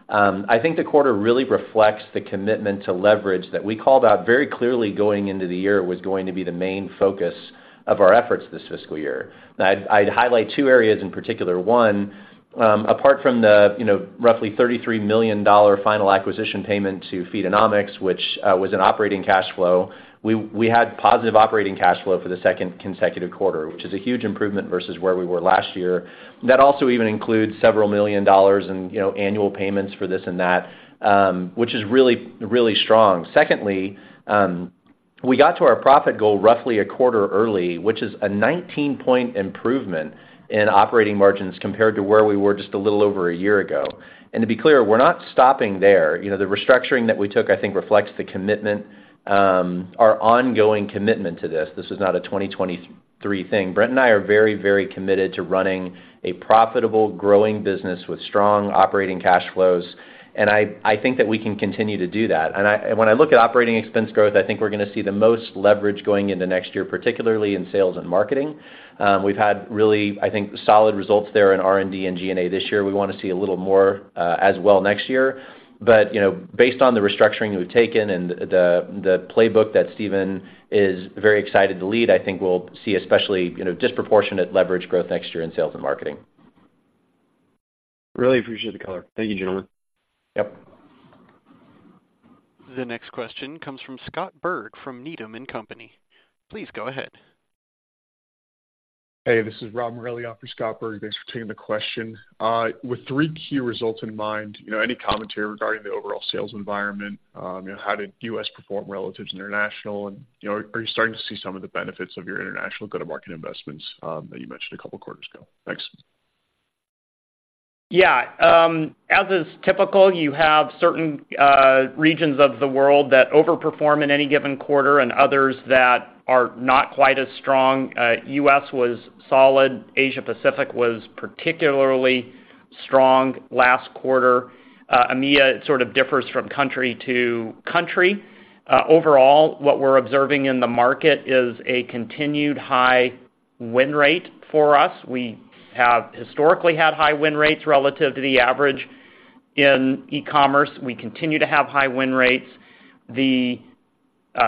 I think the quarter really reflects the commitment to leverage that we called out very clearly going into the year, was going to be the main focus of our efforts this fiscal year. Now, I'd, I'd highlight two areas in particular. One, apart from the, you know, roughly $33 million final acquisition payment to Feedonomics, which was an operating cash flow, we had positive operating cash flow for the second consecutive quarter, which is a huge improvement versus where we were last year. That also even includes several million dollars in, you know, annual payments for this and that, which is really, really strong. Secondly, we got to our profit goal roughly a quarter early, which is a 19-point improvement in operating margins compared to where we were just a little over a year ago. And to be clear, we're not stopping there. You know, the restructuring that we took, I think, reflects the commitment, our ongoing commitment to this. This is not a 2023 thing. Brent and I are very, very committed to running a profitable, growing business with strong operating cash flows, and I, I think that we can continue to do that. And when I look at operating expense growth, I think we're going to see the most leverage going into next year, particularly in sales and marketing. We've had really, I think, solid results there in R&D and G&A this year. We want to see a little more as well next year. But, you know, based on the restructuring we've taken and the, the playbook that Steven is very excited to lead, I think we'll see especially, you know, disproportionate leverage growth next year in sales and marketing. Really appreciate the color. Thank you, gentlemen. Yep. The next question comes from Scott Berg, from Needham and Company. Please go ahead. Hey, this is Rob Morelli on for Scott Berg. Thanks for taking the question. With three key results in mind, you know, any commentary regarding the overall sales environment? You know, how did US perform relative to international, and, you know, are you starting to see some of the benefits of your international go-to-market investments, that you mentioned a couple of quarters ago? Thanks. Yeah. As is typical, you have certain regions of the world that overperform in any given quarter, and others that are not quite as strong. US was solid. Asia Pacific was particularly strong last quarter. EMEA sort of differs from country to country. Overall, what we're observing in the market is a continued high win rate for us. We have historically had high win rates relative to the average.... in e-commerce, we continue to have high win rates. The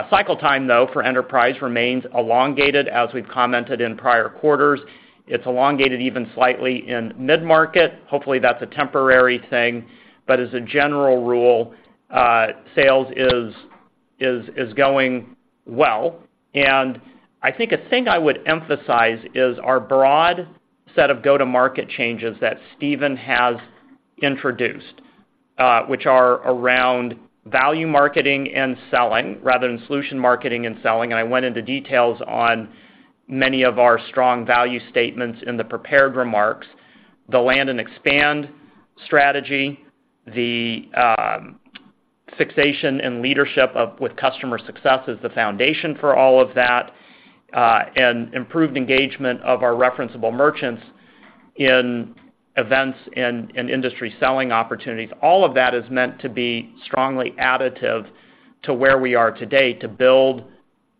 cycle time, though, for enterprise remains elongated, as we've commented in prior quarters. It's elongated even slightly in mid-market. Hopefully, that's a temporary thing, but as a general rule, sales is going well. I think a thing I would emphasize is our broad set of go-to-market changes that Steven has introduced, which are around value marketing and selling rather than solution marketing and selling. I went into details on many of our strong value statements in the prepared remarks, the land and expand strategy, the fixation and leadership of, with customer success is the foundation for all of that, and improved engagement of our referenceable merchants in events and industry selling opportunities. All of that is meant to be strongly additive to where we are today, to build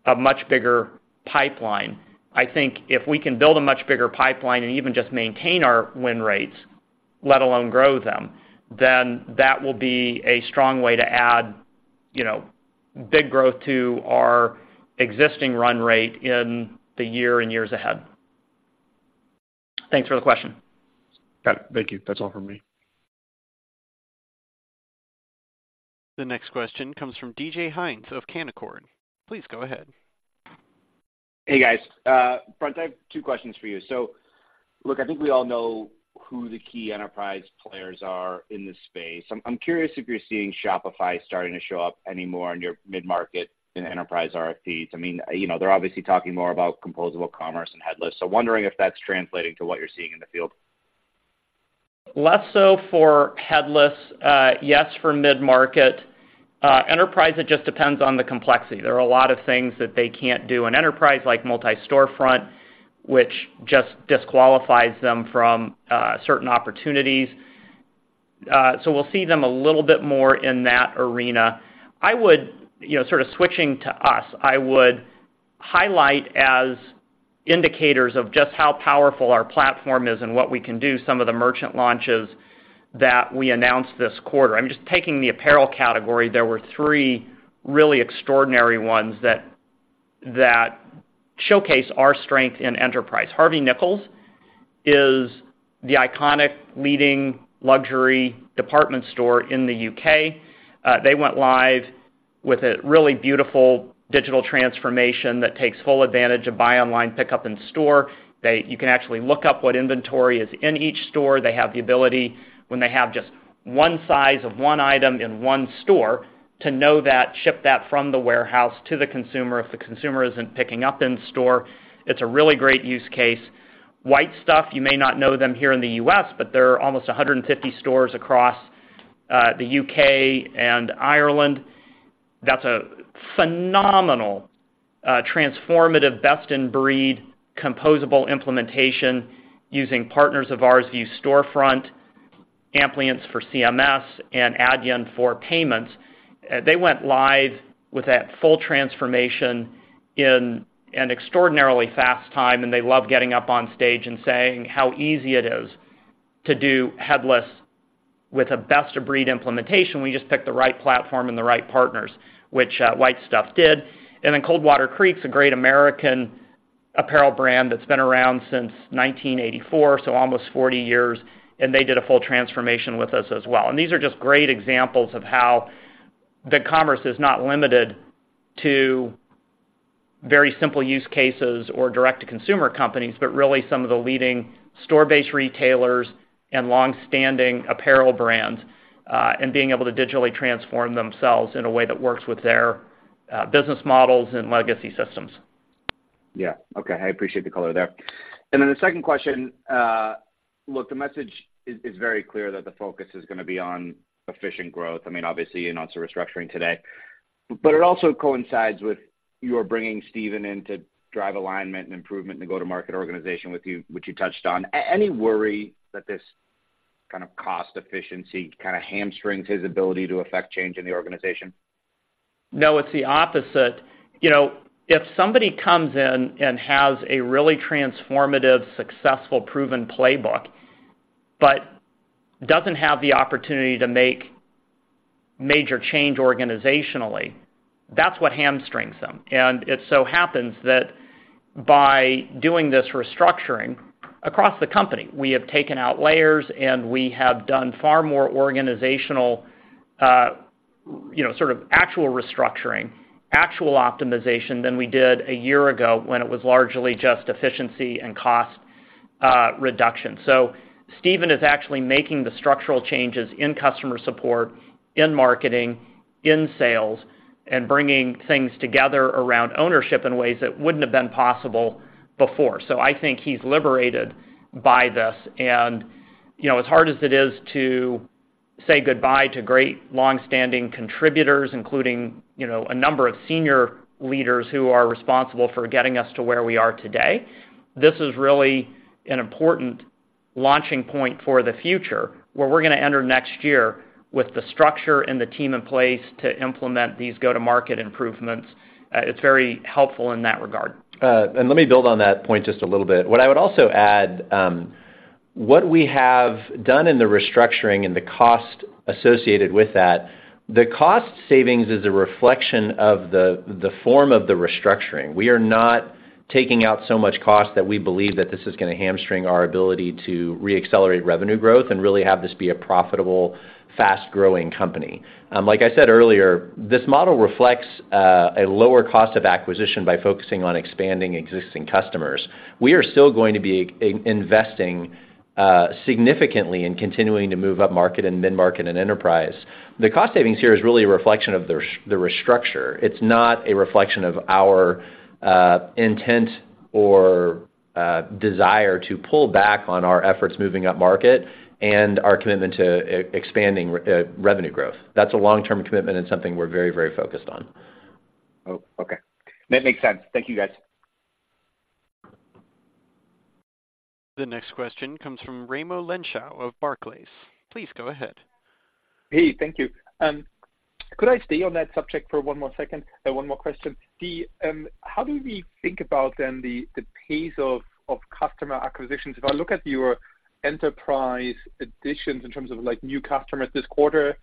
a much bigger pipeline. I think if we can build a much bigger pipeline and even just maintain our win rates, let alone grow them, then that will be a strong way to add, you know, big growth to our existing run rate in the year and years ahead. Thanks for the question. Got it. Thank you. That's all from me. The next question comes from D.J. Hynes of Canaccord. Please go ahead. Hey, guys. Brent, I have two questions for you. So look, I think we all know who the key enterprise players are in this space. I'm curious if you're seeing Shopify starting to show up anymore in your mid-market in enterprise RFPs. I mean, you know, they're obviously talking more about composable commerce and headless, so wondering if that's translating to what you're seeing in the field. Less so for headless, yes, for mid-market. Enterprise, it just depends on the complexity. There are a lot of things that they can't do in enterprise, like Multi-Storefront, which just disqualifies them from certain opportunities. So we'll see them a little bit more in that arena. I would. You know, sort of switching to us, I would highlight as indicators of just how powerful our platform is and what we can do, some of the merchant launches that we announced this quarter. I'm just taking the apparel category. There were three really extraordinary ones that showcase our strength in enterprise. Harvey Nichols is the iconic leading luxury department store in the U.K. They went live with a really beautiful digital transformation that takes full advantage of buy online, pickup in store. They... You can actually look up what inventory is in each store. They have the ability, when they have just one size of one item in one store, to know that, ship that from the warehouse to the consumer, if the consumer isn't picking up in store. It's a really great use case. White Stuff, you may not know them here in the U.S., but there are almost 150 stores across the U.K. and Ireland. That's a phenomenal transformative, best-in-breed, composable implementation using partners of ours, Vue Storefront, Amplience for CMS, and Adyen for payments. They went live with that full transformation in an extraordinarily fast time, and they love getting up on stage and saying how easy it is to do headless with a best-of-breed implementation. We just pick the right platform and the right partners, which White Stuff did. And then Coldwater Creek, a great American apparel brand that's been around since 1984, so almost 40 years, and they did a full transformation with us as well. And these are just great examples of how BigCommerce is not limited to very simple use cases or direct-to-consumer companies, but really some of the leading store-based retailers and long-standing apparel brands, and being able to digitally transform themselves in a way that works with their, business models and legacy systems. Yeah. Okay, I appreciate the color there. And then the second question, look, the message is, is very clear that the focus is gonna be on efficient growth. I mean, obviously, you announced a restructuring today, but it also coincides with your bringing Steven in to drive alignment and improvement in the go-to-market organization with you, which you touched on. Any worry that this kind of cost efficiency kind of hamstrings his ability to affect change in the organization? No, it's the opposite. You know, if somebody comes in and has a really transformative, successful, proven playbook, but doesn't have the opportunity to make major change organizationally, that's what hamstrings them. And it so happens that by doing this restructuring across the company, we have taken out layers, and we have done far more organizational, you know, sort of actual restructuring, actual optimization than we did a year ago, when it was largely just efficiency and cost reduction. So Steven is actually making the structural changes in customer support, in marketing, in sales, and bringing things together around ownership in ways that wouldn't have been possible before. So I think he's liberated by this. You know, as hard as it is to say goodbye to great, long-standing contributors, including, you know, a number of senior leaders who are responsible for getting us to where we are today, this is really an important launching point for the future, where we're gonna enter next year with the structure and the team in place to implement these go-to-market improvements. It's very helpful in that regard. Let me build on that point just a little bit. What I would also add,... what we have done in the restructuring and the cost associated with that, the cost savings is a reflection of the form of the restructuring. We are not taking out so much cost that we believe that this is going to hamstring our ability to reaccelerate revenue growth and really have this be a profitable, fast-growing company. Like I said earlier, this model reflects a lower cost of acquisition by focusing on expanding existing customers. We are still going to be investing significantly in continuing to move up market and mid-market and enterprise. The cost savings here is really a reflection of the restructure. It's not a reflection of our intent or desire to pull back on our efforts moving up market and our commitment to expanding revenue growth. That's a long-term commitment and something we're very, very focused on. Oh, okay. That makes sense. Thank you, guys. The next question comes from Raimo Lenschow of Barclays. Please go ahead. Hey, thank you. Could I stay on that subject for one more second? One more question. How do we think about then, the pace of customer acquisitions? If I look at your enterprise additions in terms of, like, new customers this quarter,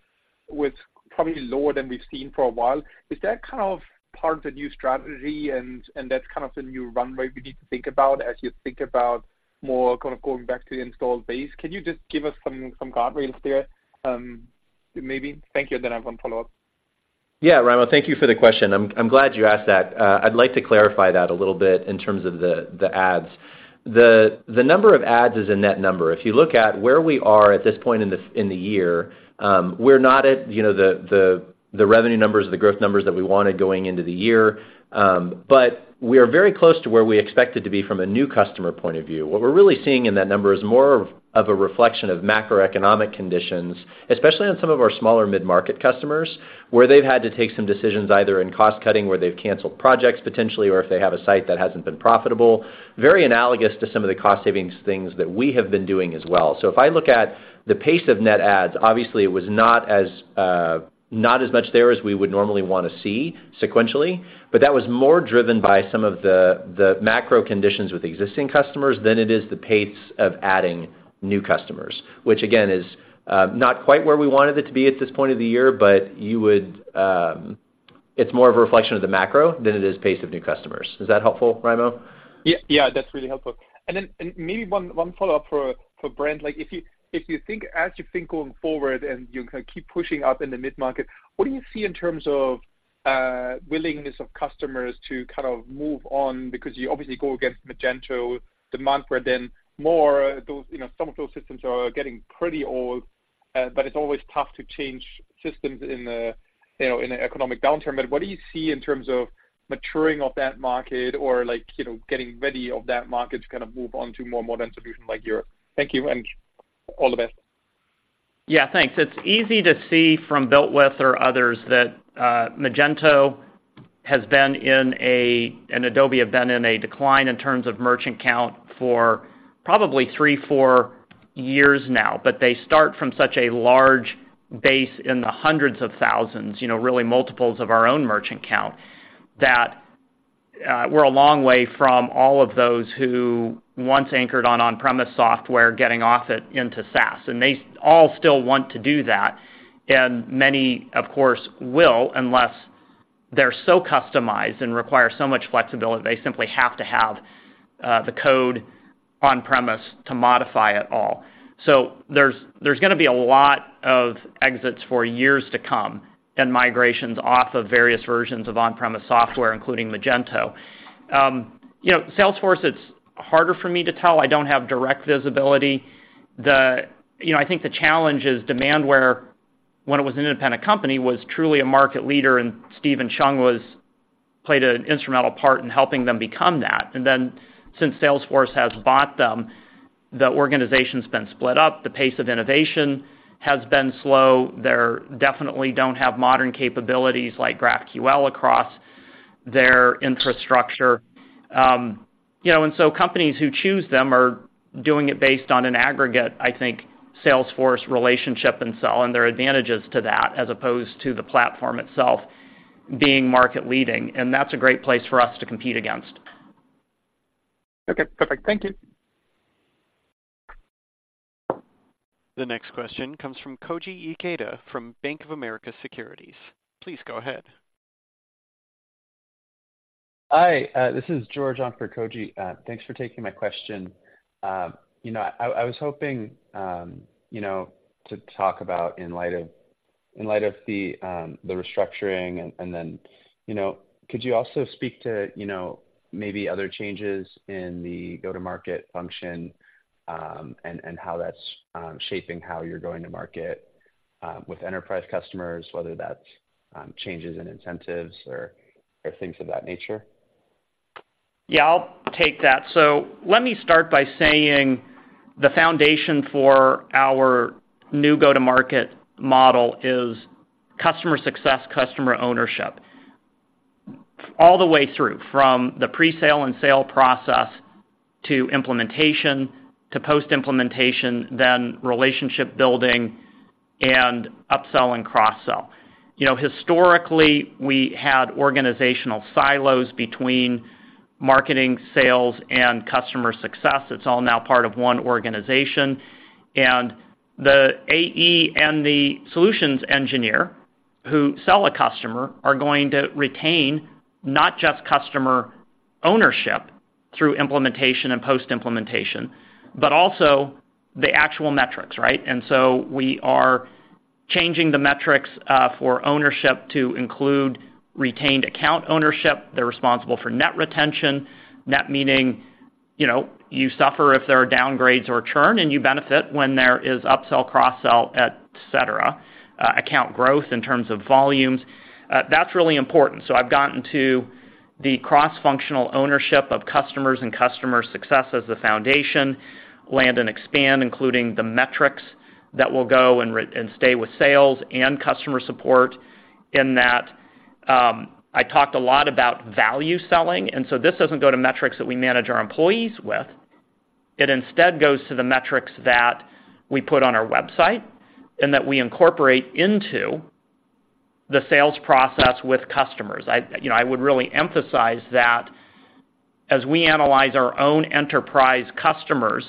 was probably lower than we've seen for a while. Is that kind of part of the new strategy, and that's kind of the new runway we need to think about as you think about more kind of going back to the installed base? Can you just give us some guardrails there, maybe? Thank you. And then I have one follow-up. Yeah, Raimo, thank you for the question. I'm, I'm glad you asked that. I'd like to clarify that a little bit in terms of the, the adds. The, the number of adds is a net number. If you look at where we are at this point in the, in the year, we're not at, you know, the, the, the revenue numbers or the growth numbers that we wanted going into the year, but we are very close to where we expected to be from a new customer point of view. What we're really seeing in that number is more of a reflection of macroeconomic conditions, especially on some of our smaller mid-market customers, where they've had to take some decisions, either in cost cutting, where they've canceled projects potentially, or if they have a site that hasn't been profitable, very analogous to some of the cost savings things that we have been doing as well. So if I look at the pace of net adds, obviously, it was not as much there as we would normally want to see sequentially, but that was more driven by some of the macro conditions with existing customers than it is the pace of adding new customers, which, again, is not quite where we wanted it to be at this point of the year, but you would... It's more of a reflection of the macro than it is pace of new customers. Is that helpful, Raimo? Yeah, yeah, that's really helpful. And then maybe one follow-up for Brent. Like, if you think—as you think going forward and you kind of keep pushing up in the mid-market, what do you see in terms of willingness of customers to kind of move on? Because you obviously go against Magento, Demandware, then more, those, you know, some of those systems are getting pretty old, but it's always tough to change systems in a, you know, in an economic downturn. But what do you see in terms of maturing of that market or like, you know, getting ready of that market to kind of move on to more modern solutions like yours? Thank you, and all the best. Yeah, thanks. It's easy to see from BuiltWith or others that Magento has been in a decline in terms of merchant count for probably 3-4 years now. But they start from such a large base in the hundreds of thousands, you know, really multiples of our own merchant count, that we're a long way from all of those who once anchored on on-premises software, getting off it into SaaS, and they all still want to do that. And many, of course, will, unless they're so customized and require so much flexibility, they simply have to have the code on-premises to modify it all. So there's gonna be a lot of exits for years to come, and migrations off of various versions of on-premises software, including Magento. You know, Salesforce, it's harder for me to tell. I don't have direct visibility. You know, I think the challenge is Demandware, when it was an independent company, was truly a market leader, and Steven Chung played an instrumental part in helping them become that. And then, since Salesforce has bought them, the organization's been split up. The pace of innovation has been slow. They're definitely don't have modern capabilities like GraphQL across their infrastructure. You know, and so companies who choose them are doing it based on an aggregate, I think, Salesforce relationship and sell, and there are advantages to that, as opposed to the platform itself being market leading, and that's a great place for us to compete against. Okay, perfect. Thank you. The next question comes from Koji Ikeda from Bank of America Securities. Please go ahead. Hi, this is George on for Koji. Thanks for taking my question. You know, I was hoping, you know, to talk about in light of the restructuring and then, you know, could you also speak to, you know, maybe other changes in the go-to-market function, and how that's shaping how you're going to market with enterprise customers, whether that's changes in incentives or things of that nature? Yeah, I'll take that. So let me start by saying the foundation for our new go-to-market model is customer success, customer ownership, all the way through, from the presale and sale process, to implementation, to post-implementation, then relationship building.... and upsell and cross-sell. You know, historically, we had organizational silos between marketing, sales, and customer success. It's all now part of one organization. And the AE and the solutions engineer, who sell a customer, are going to retain not just customer ownership through implementation and post-implementation, but also the actual metrics, right? And so we are changing the metrics, for ownership to include retained account ownership. They're responsible for net retention. Net meaning, you know, you suffer if there are downgrades or churn, and you benefit when there is upsell, cross-sell, et cetera, account growth in terms of volumes. That's really important. So I've gotten to the cross-functional ownership of customers and customer success as the foundation, land and expand, including the metrics that will go and stay with sales and customer support in that. I talked a lot about value selling, and so this doesn't go to metrics that we manage our employees with. It instead goes to the metrics that we put on our website and that we incorporate into the sales process with customers. I, you know, I would really emphasize that as we analyze our own enterprise customers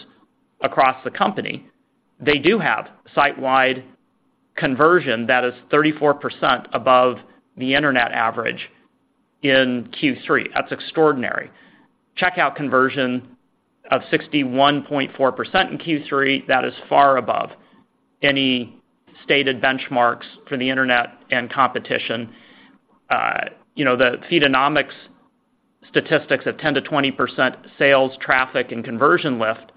across the company, they do have site-wide conversion that is 34% above the internet average in Q3. That's extraordinary. Checkout conversion of 61.4% in Q3, that is far above any stated benchmarks for the internet and competition. You know, the Feedonomics statistics of 10%-20% sales, traffic, and conversion lift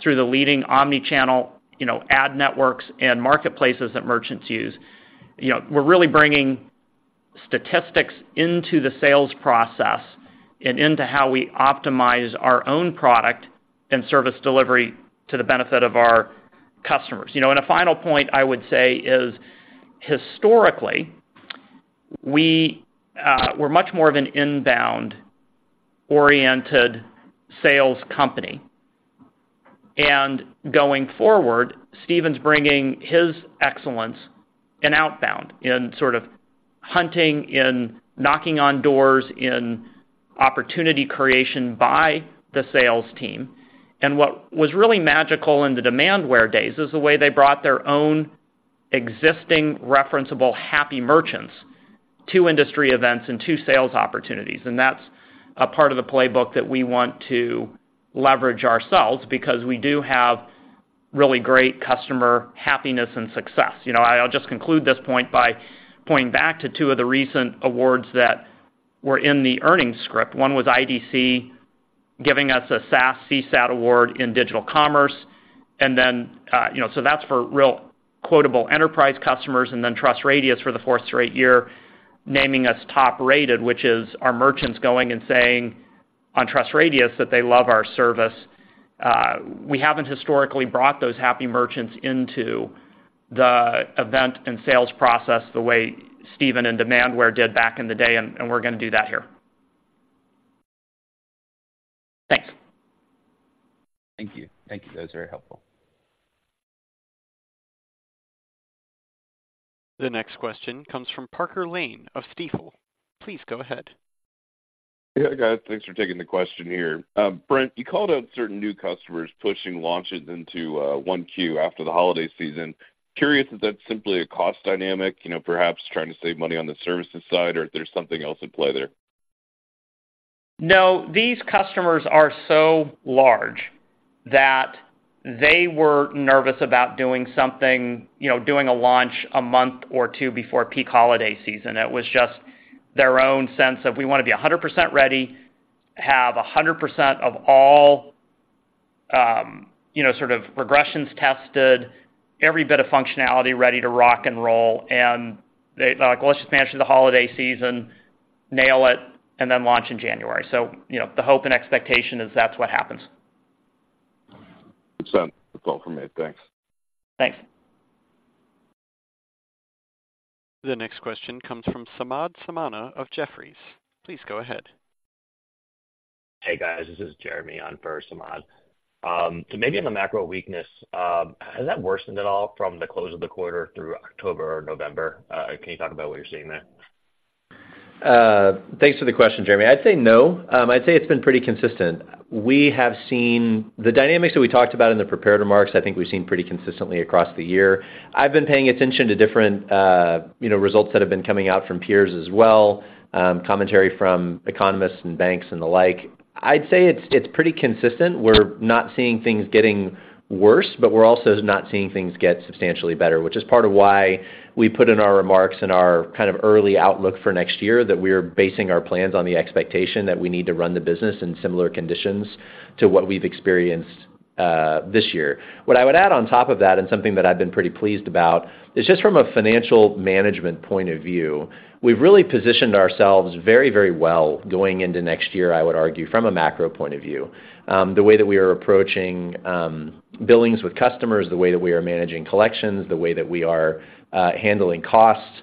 through the leading omni-channel, you know, ad networks and marketplaces that merchants use. You know, we're really bringing statistics into the sales process and into how we optimize our own product and service delivery to the benefit of our customers. You know, and a final point I would say is, historically, we, we're much more of an inbound-oriented sales company. And going forward, Steven's bringing his excellence in outbound, in sort of hunting, in knocking on doors, in opportunity creation by the sales team. And what was really magical in the Demandware days, is the way they brought their own existing referenceable, happy merchants to industry events and to sales opportunities. That's a part of the playbook that we want to leverage ourselves because we do have really great customer happiness and success. You know, I'll just conclude this point by pointing back to two of the recent awards that were in the earnings script. One was IDC, giving us a SaaS CSAT award in digital commerce, and then so that's for real quotable enterprise customers, and then TrustRadius for the fourth straight year, naming us top-rated, which is our merchants going and saying on TrustRadius, that they love our service. We haven't historically brought those happy merchants into the event and sales process the way Steven and Demandware did back in the day, and, and we're going to do that here. Thanks. Thank you. Thank you. That was very helpful. The next question comes from Parker Lane of Stifel. Please go ahead. Hey, guys. Thanks for taking the question here. Brent, you called out certain new customers pushing launches into Q1 after the holiday season. Curious if that's simply a cost dynamic, you know, perhaps trying to save money on the services side or if there's something else at play there? No, these customers are so large that they were nervous about doing something, you know, doing a launch a month or two before peak holiday season. It was just their own sense of, we want to be 100% ready, have 100% of all, you know, sort of regressions tested, every bit of functionality ready to rock and roll. And they were like, "Well, let's just manage the holiday season, nail it, and then launch in January." So, you know, the hope and expectation is that's what happens. Makes sense. That's all for me. Thanks. Thanks. The next question comes from Samad Samana of Jefferies. Please go ahead. Hey, guys, this is Jeremy on for Samad. So maybe on the macro weakness, has that worsened at all from the close of the quarter through October or November? Can you talk about what you're seeing there? Thanks for the question, Jeremy. I'd say no. I'd say it's been pretty consistent. We have seen the dynamics that we talked about in the prepared remarks. I think we've seen pretty consistently across the year. I've been paying attention to different, you know, results that have been coming out from peers as well, commentary from economists and banks and the like. I'd say it's pretty consistent. We're not seeing things getting worse, but we're also not seeing things get substantially better, which is part of why we put in our remarks and our kind of early outlook for next year, that we're basing our plans on the expectation that we need to run the business in similar conditions to what we've experienced this year. What I would add on top of that, and something that I've been pretty pleased about, is just from a financial management point of view, we've really positioned ourselves very, very well going into next year, I would argue, from a macro point of view. The way that we are approaching billings with customers, the way that we are managing collections, the way that we are handling costs.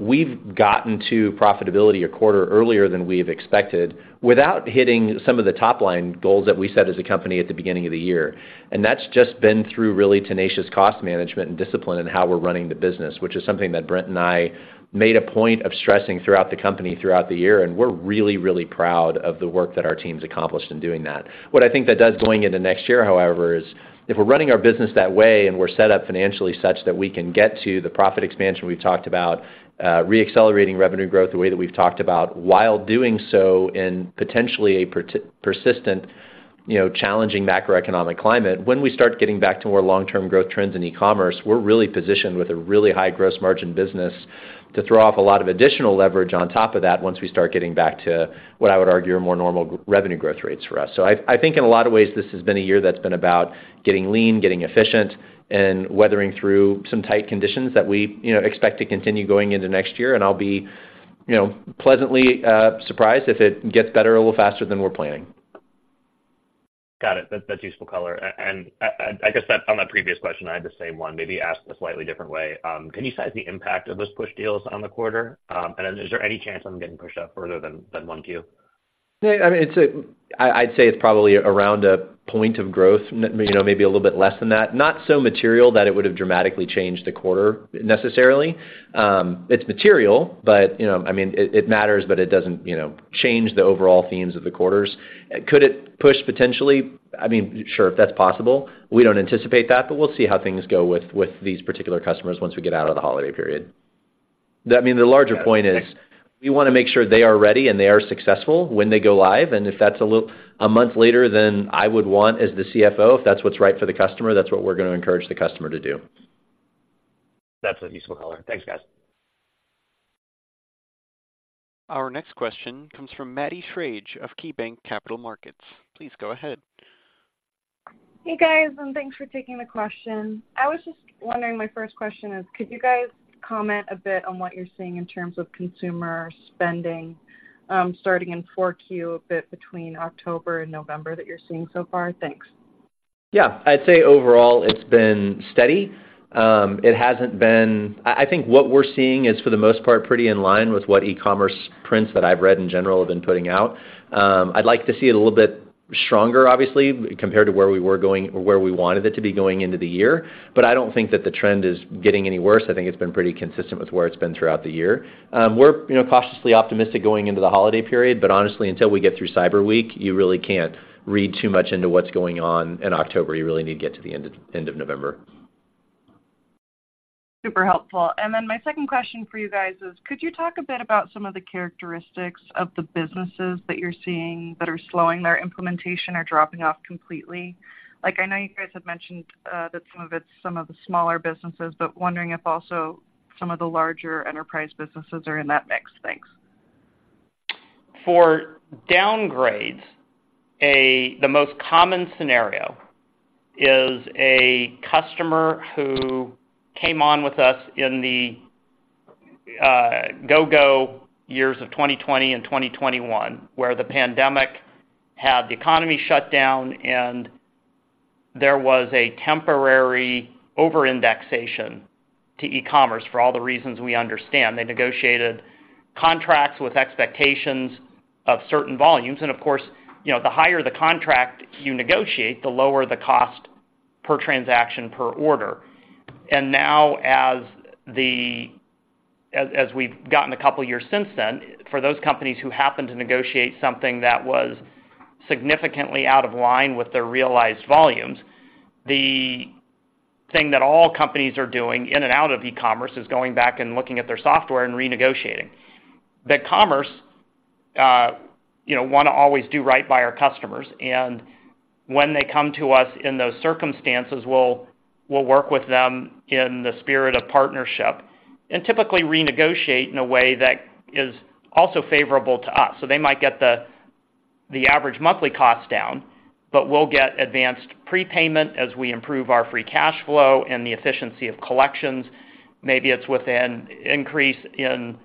We've gotten to profitability a quarter earlier than we've expected, without hitting some of the top-line goals that we set as a company at the beginning of the year. That's just been through really tenacious cost management and discipline in how we're running the business, which is something that Brent and I made a point of stressing throughout the company throughout the year, and we're really, really proud of the work that our teams accomplished in doing that. What I think that does going into next year, however, is if we're running our business that way, and we're set up financially such that we can get to the profit expansion we've talked about, reaccelerating revenue growth, the way that we've talked about, while doing so in potentially a persistent, you know, challenging macroeconomic climate. When we start getting back to more long-term growth trends in e-commerce, we're really positioned with a really high gross margin business to throw off a lot of additional leverage on top of that, once we start getting back to what I would argue a more normal revenue growth rates for us. So I think in a lot of ways, this has been a year that's been about getting lean, getting efficient, and weathering through some tight conditions that we you know expect to continue going into next year, and I'll be you know pleasantly surprised if it gets better a little faster than we're planning. Got it. That's, that's useful color. And I guess that on my previous question, I had the same one, maybe asked a slightly different way. Can you size the impact of those push deals on the quarter? And then is there any chance on them getting pushed out further than one Q? Yeah, I mean, it's a—I'd say it's probably around a point of growth, you know, maybe a little bit less than that. Not so material that it would have dramatically changed the quarter necessarily. It's material, but, you know, I mean, it matters, but it doesn't, you know, change the overall themes of the quarters. Could it push potentially? I mean, sure, that's possible. We don't anticipate that, but we'll see how things go with these particular customers once we get out of the holiday period. I mean, the larger point is- Yeah. We wanna make sure they are ready and they are successful when they go live, and if that's a little a month later, then I would want, as the CFO, if that's what's right for the customer, that's what we're gonna encourage the customer to do. That's a useful color. Thanks, guys. Our next question comes from Maddie Schrage of KeyBanc Capital Markets. Please go ahead. Hey, guys, and thanks for taking the question. I was just wondering, my first question is: Could you guys comment a bit on what you're seeing in terms of consumer spending, starting in Q4, a bit between October and November, that you're seeing so far? Thanks. Yeah. I'd say overall, it's been steady. It hasn't been—I think what we're seeing is, for the most part, pretty in line with what e-commerce prints that I've read in general have been putting out. I'd like to see it a little bit stronger, obviously, compared to where we were going or where we wanted it to be going into the year, but I don't think that the trend is getting any worse. I think it's been pretty consistent with where it's been throughout the year. We're, you know, cautiously optimistic going into the holiday period, but honestly, until we get through Cyber Week, you really can't read too much into what's going on in October. You really need to get to the end of November. Super helpful. Then my second question for you guys is: Could you talk a bit about some of the characteristics of the businesses that you're seeing that are slowing their implementation or dropping off completely? Like, I know you guys have mentioned that some of it's some of the smaller businesses, but wondering if also some of the larger enterprise businesses are in that mix. Thanks. For downgrades, the most common scenario is a customer who came on with us in the go-go years of 2020 and 2021, where the pandemic had the economy shut down, and there was a temporary over-indexation to e-commerce for all the reasons we understand. They negotiated contracts with expectations of certain volumes, and of course, you know, the higher the contract you negotiate, the lower the cost per transaction, per order. And now, as we've gotten a couple of years since then, for those companies who happened to negotiate something that was significantly out of line with their realized volumes, the thing that all companies are doing, in and out of e-commerce, is going back and looking at their software and renegotiating. BigCommerce, you know, wanna always do right by our customers, and when they come to us in those circumstances, we'll work with them in the spirit of partnership and typically renegotiate in a way that is also favorable to us. So they might get the average monthly cost down, but we'll get advanced prepayment as we improve our free cash flow and the efficiency of collections. Maybe it's with an increase in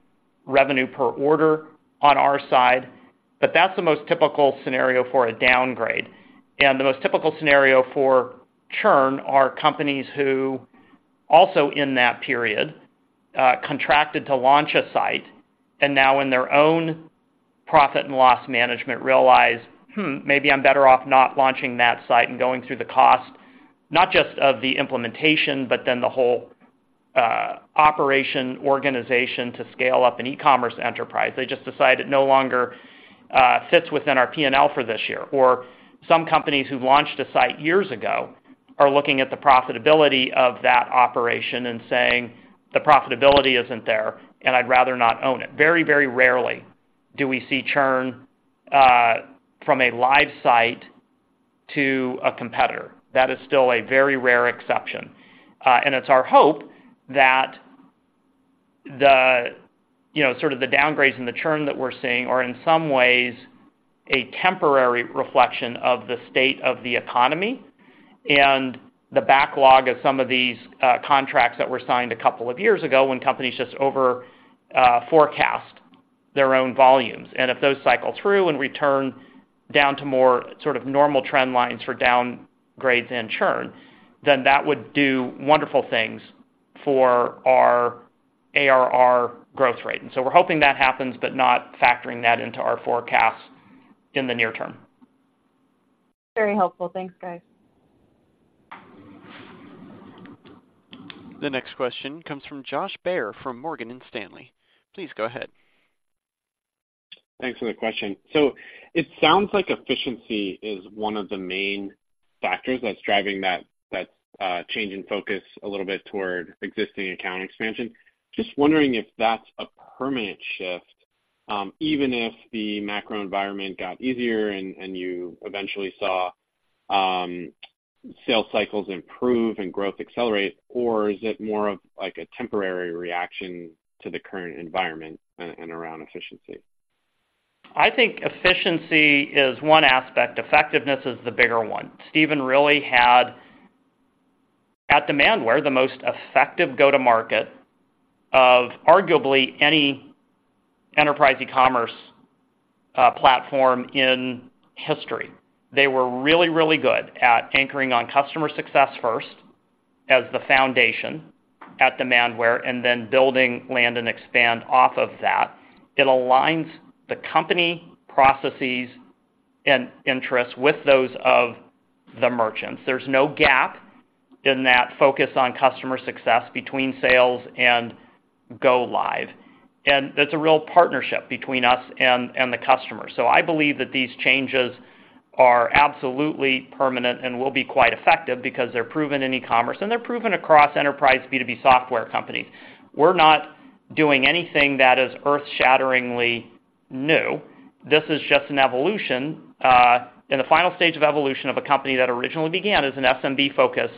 revenue per order on our side, but that's the most typical scenario for a downgrade. The most typical scenario for churn are companies who, also in that period, contracted to launch a site and now in their own profit and loss management, realize, "Hmm, maybe I'm better off not launching that site," and going through the cost, not just of the implementation, but then the whole operation organization to scale up an e-commerce enterprise. They just decide it no longer fits within our P&L for this year. Or some companies who've launched a site years ago are looking at the profitability of that operation and saying, "The profitability isn't there, and I'd rather not own it." Very, very rarely do we see churn from a live site to a competitor. That is still a very rare exception. And it's our hope that the, you know, sort of the downgrades and the churn that we're seeing are, in some ways, a temporary reflection of the state of the economy and the backlog of some of these contracts that were signed a couple of years ago when companies just over forecast their own volumes. And if those cycle through and return down to more sort of normal trend lines for downgrades and churn, then that would do wonderful things for our ARR growth rate. And so we're hoping that happens, but not factoring that into our forecasts in the near term. Very helpful. Thanks, guys. The next question comes from Josh Baer from Morgan Stanley. Please go ahead. Thanks for the question. So it sounds like efficiency is one of the main factors that's driving that change in focus a little bit toward existing account expansion. Just wondering if that's a permanent shift, even if the macro environment got easier and you eventually saw sales cycles improve and growth accelerate, or is it more of like a temporary reaction to the current environment and around efficiency? I think efficiency is one aspect. Effectiveness is the bigger one. Steven really had, at Demandware, the most effective go-to-market of arguably any enterprise e-commerce platform in history. They were really, really good at anchoring on customer success first, as the foundation at Demandware, and then building, land, and expand off of that. It aligns the company processes and interests with those of the merchants. There's no gap in that focus on customer success between sales and go live, and that's a real partnership between us and, and the customer. So I believe that these changes are absolutely permanent and will be quite effective because they're proven in e-commerce, and they're proven across enterprise B2B software companies. We're not doing anything that is earth-shatteringly new. This is just an evolution, and a final stage of evolution of a company that originally began as an SMB-focused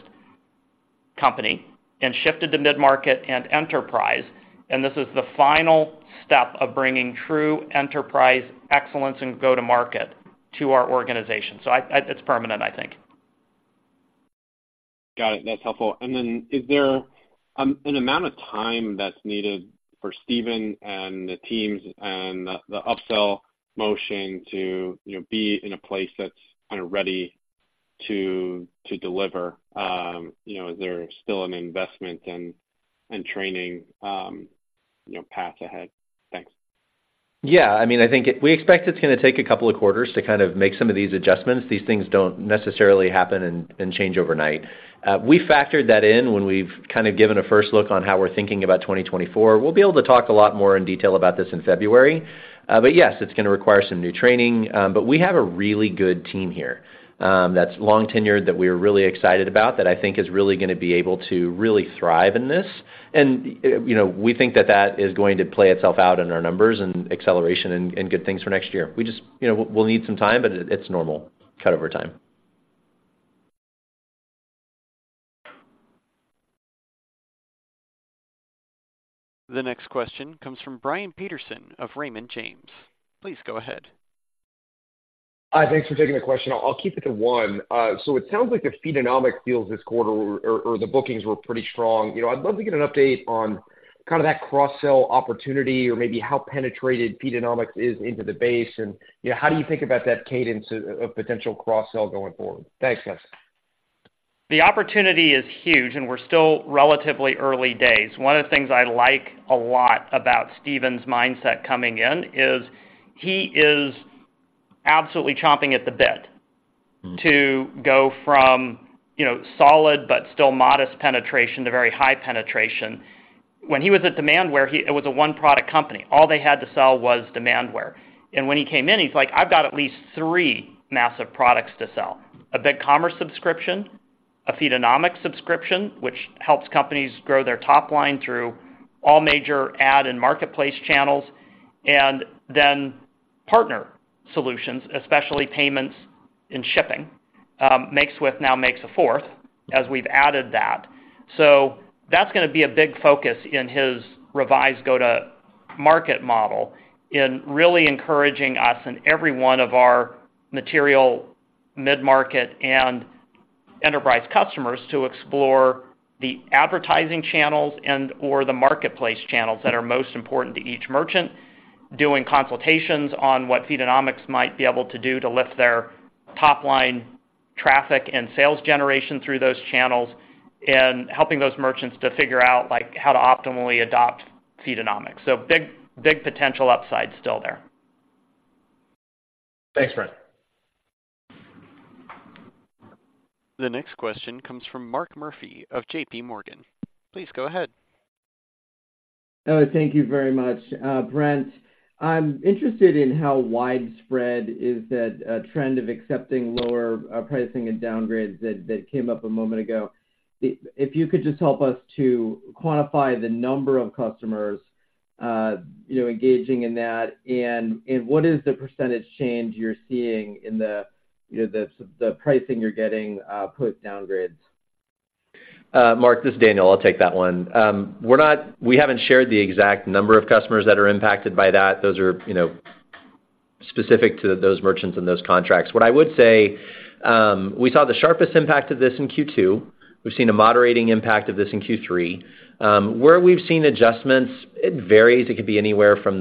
company and shifted to mid-market and enterprise. This is the final step of bringing true enterprise excellence and go-to-market to our organization. It's permanent, I think. Got it. That's helpful. And then is there an amount of time that's needed for Steven and the teams and the upsell motion to, you know, be in a place that's kind of ready to deliver? You know, is there still an investment and training path ahead? Thanks. Yeah, I mean, we expect it's gonna take a couple of quarters to kind of make some of these adjustments. These things don't necessarily happen and change overnight. We factored that in when we've kind of given a first look on how we're thinking about 2024. We'll be able to talk a lot more in detail about this in February. But yes, it's gonna require some new training, but we have a really good team here that's long tenured, that we are really excited about, that I think is really gonna be able to really thrive in this. And, you know, we think that that is going to play itself out in our numbers and acceleration and good things for next year. We just, you know, we'll need some time, but it's normal cut-over time. The next question comes from Brian Peterson of Raymond James. Please go ahead. Hi, thanks for taking the question. I'll keep it to one. So it sounds like the Feedonomics deals this quarter or, or the bookings were pretty strong. You know, I'd love to get an update on kind of that cross-sell opportunity or maybe how penetrated Feedonomics is into the base, and, you know, how do you think about that cadence of, of potential cross-sell going forward? Thanks, guys. The opportunity is huge, and we're still relatively early days. One of the things I like a lot about Steven's mindset coming in, is he is absolutely chomping at the bit- Mm-hmm... to go from, you know, solid but still modest penetration to very high penetration. When he was at Demandware, it was a one-product company. All they had to sell was Demandware. And when he came in, he's like: "I've got at least three massive products to sell, a BigCommerce subscription, a Feedonomics subscription, which helps companies grow their top line through all major ad and marketplace channels, and then partner solutions, especially payments and shipping." Makeswift now makes a fourth, as we've added that. So that's gonna be a big focus in his revised go-to-market model, in really encouraging us and every one of our material, mid-market, and enterprise customers to explore the advertising channels and/or the marketplace channels that are most important to each merchant, doing consultations on what Feedonomics might be able to do to lift their top line traffic and sales generation through those channels, and helping those merchants to figure out, like, how to optimally adopt Feedonomics. So big, big potential upside still there. Thanks, Brent. The next question comes from Mark Murphy of J.P. Morgan. Please go ahead. Oh, thank you very much. Brent, I'm interested in how widespread is that trend of accepting lower pricing and downgrades that came up a moment ago. If you could just help us to quantify the number of customers, you know, engaging in that, and what is the percentage change you're seeing in the, you know, the pricing you're getting put downgrades? Mark, this is Daniel. I'll take that one. We haven't shared the exact number of customers that are impacted by that. Those are, you know, specific to those merchants and those contracts. What I would say, we saw the sharpest impact of this in Q2. We've seen a moderating impact of this in Q3. Where we've seen adjustments, it varies. It could be anywhere from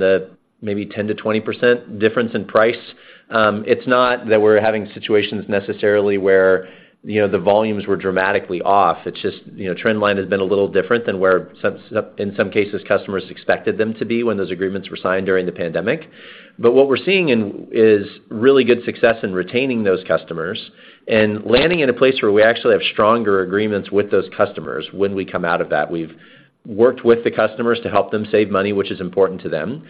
maybe 10%-20% difference in price. It's not that we're having situations necessarily where, you know, the volumes were dramatically off. It's just, you know, trend line has been a little different than where some in some cases, customers expected them to be when those agreements were signed during the pandemic. But what we're seeing is really good success in retaining those customers and landing in a place where we actually have stronger agreements with those customers when we come out of that. We've worked with the customers to help them save money, which is important to them.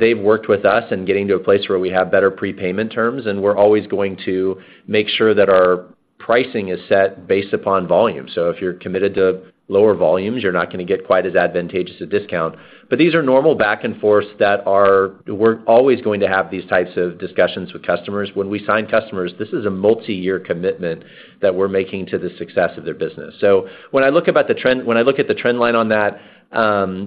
They've worked with us in getting to a place where we have better prepayment terms, and we're always going to make sure that our pricing is set based upon volume. So if you're committed to lower volumes, you're not gonna get quite as advantageous a discount. But these are normal back and forth that we're always going to have these types of discussions with customers. When we sign customers, this is a multi-year commitment that we're making to the success of their business. So when I look at the trend line on that,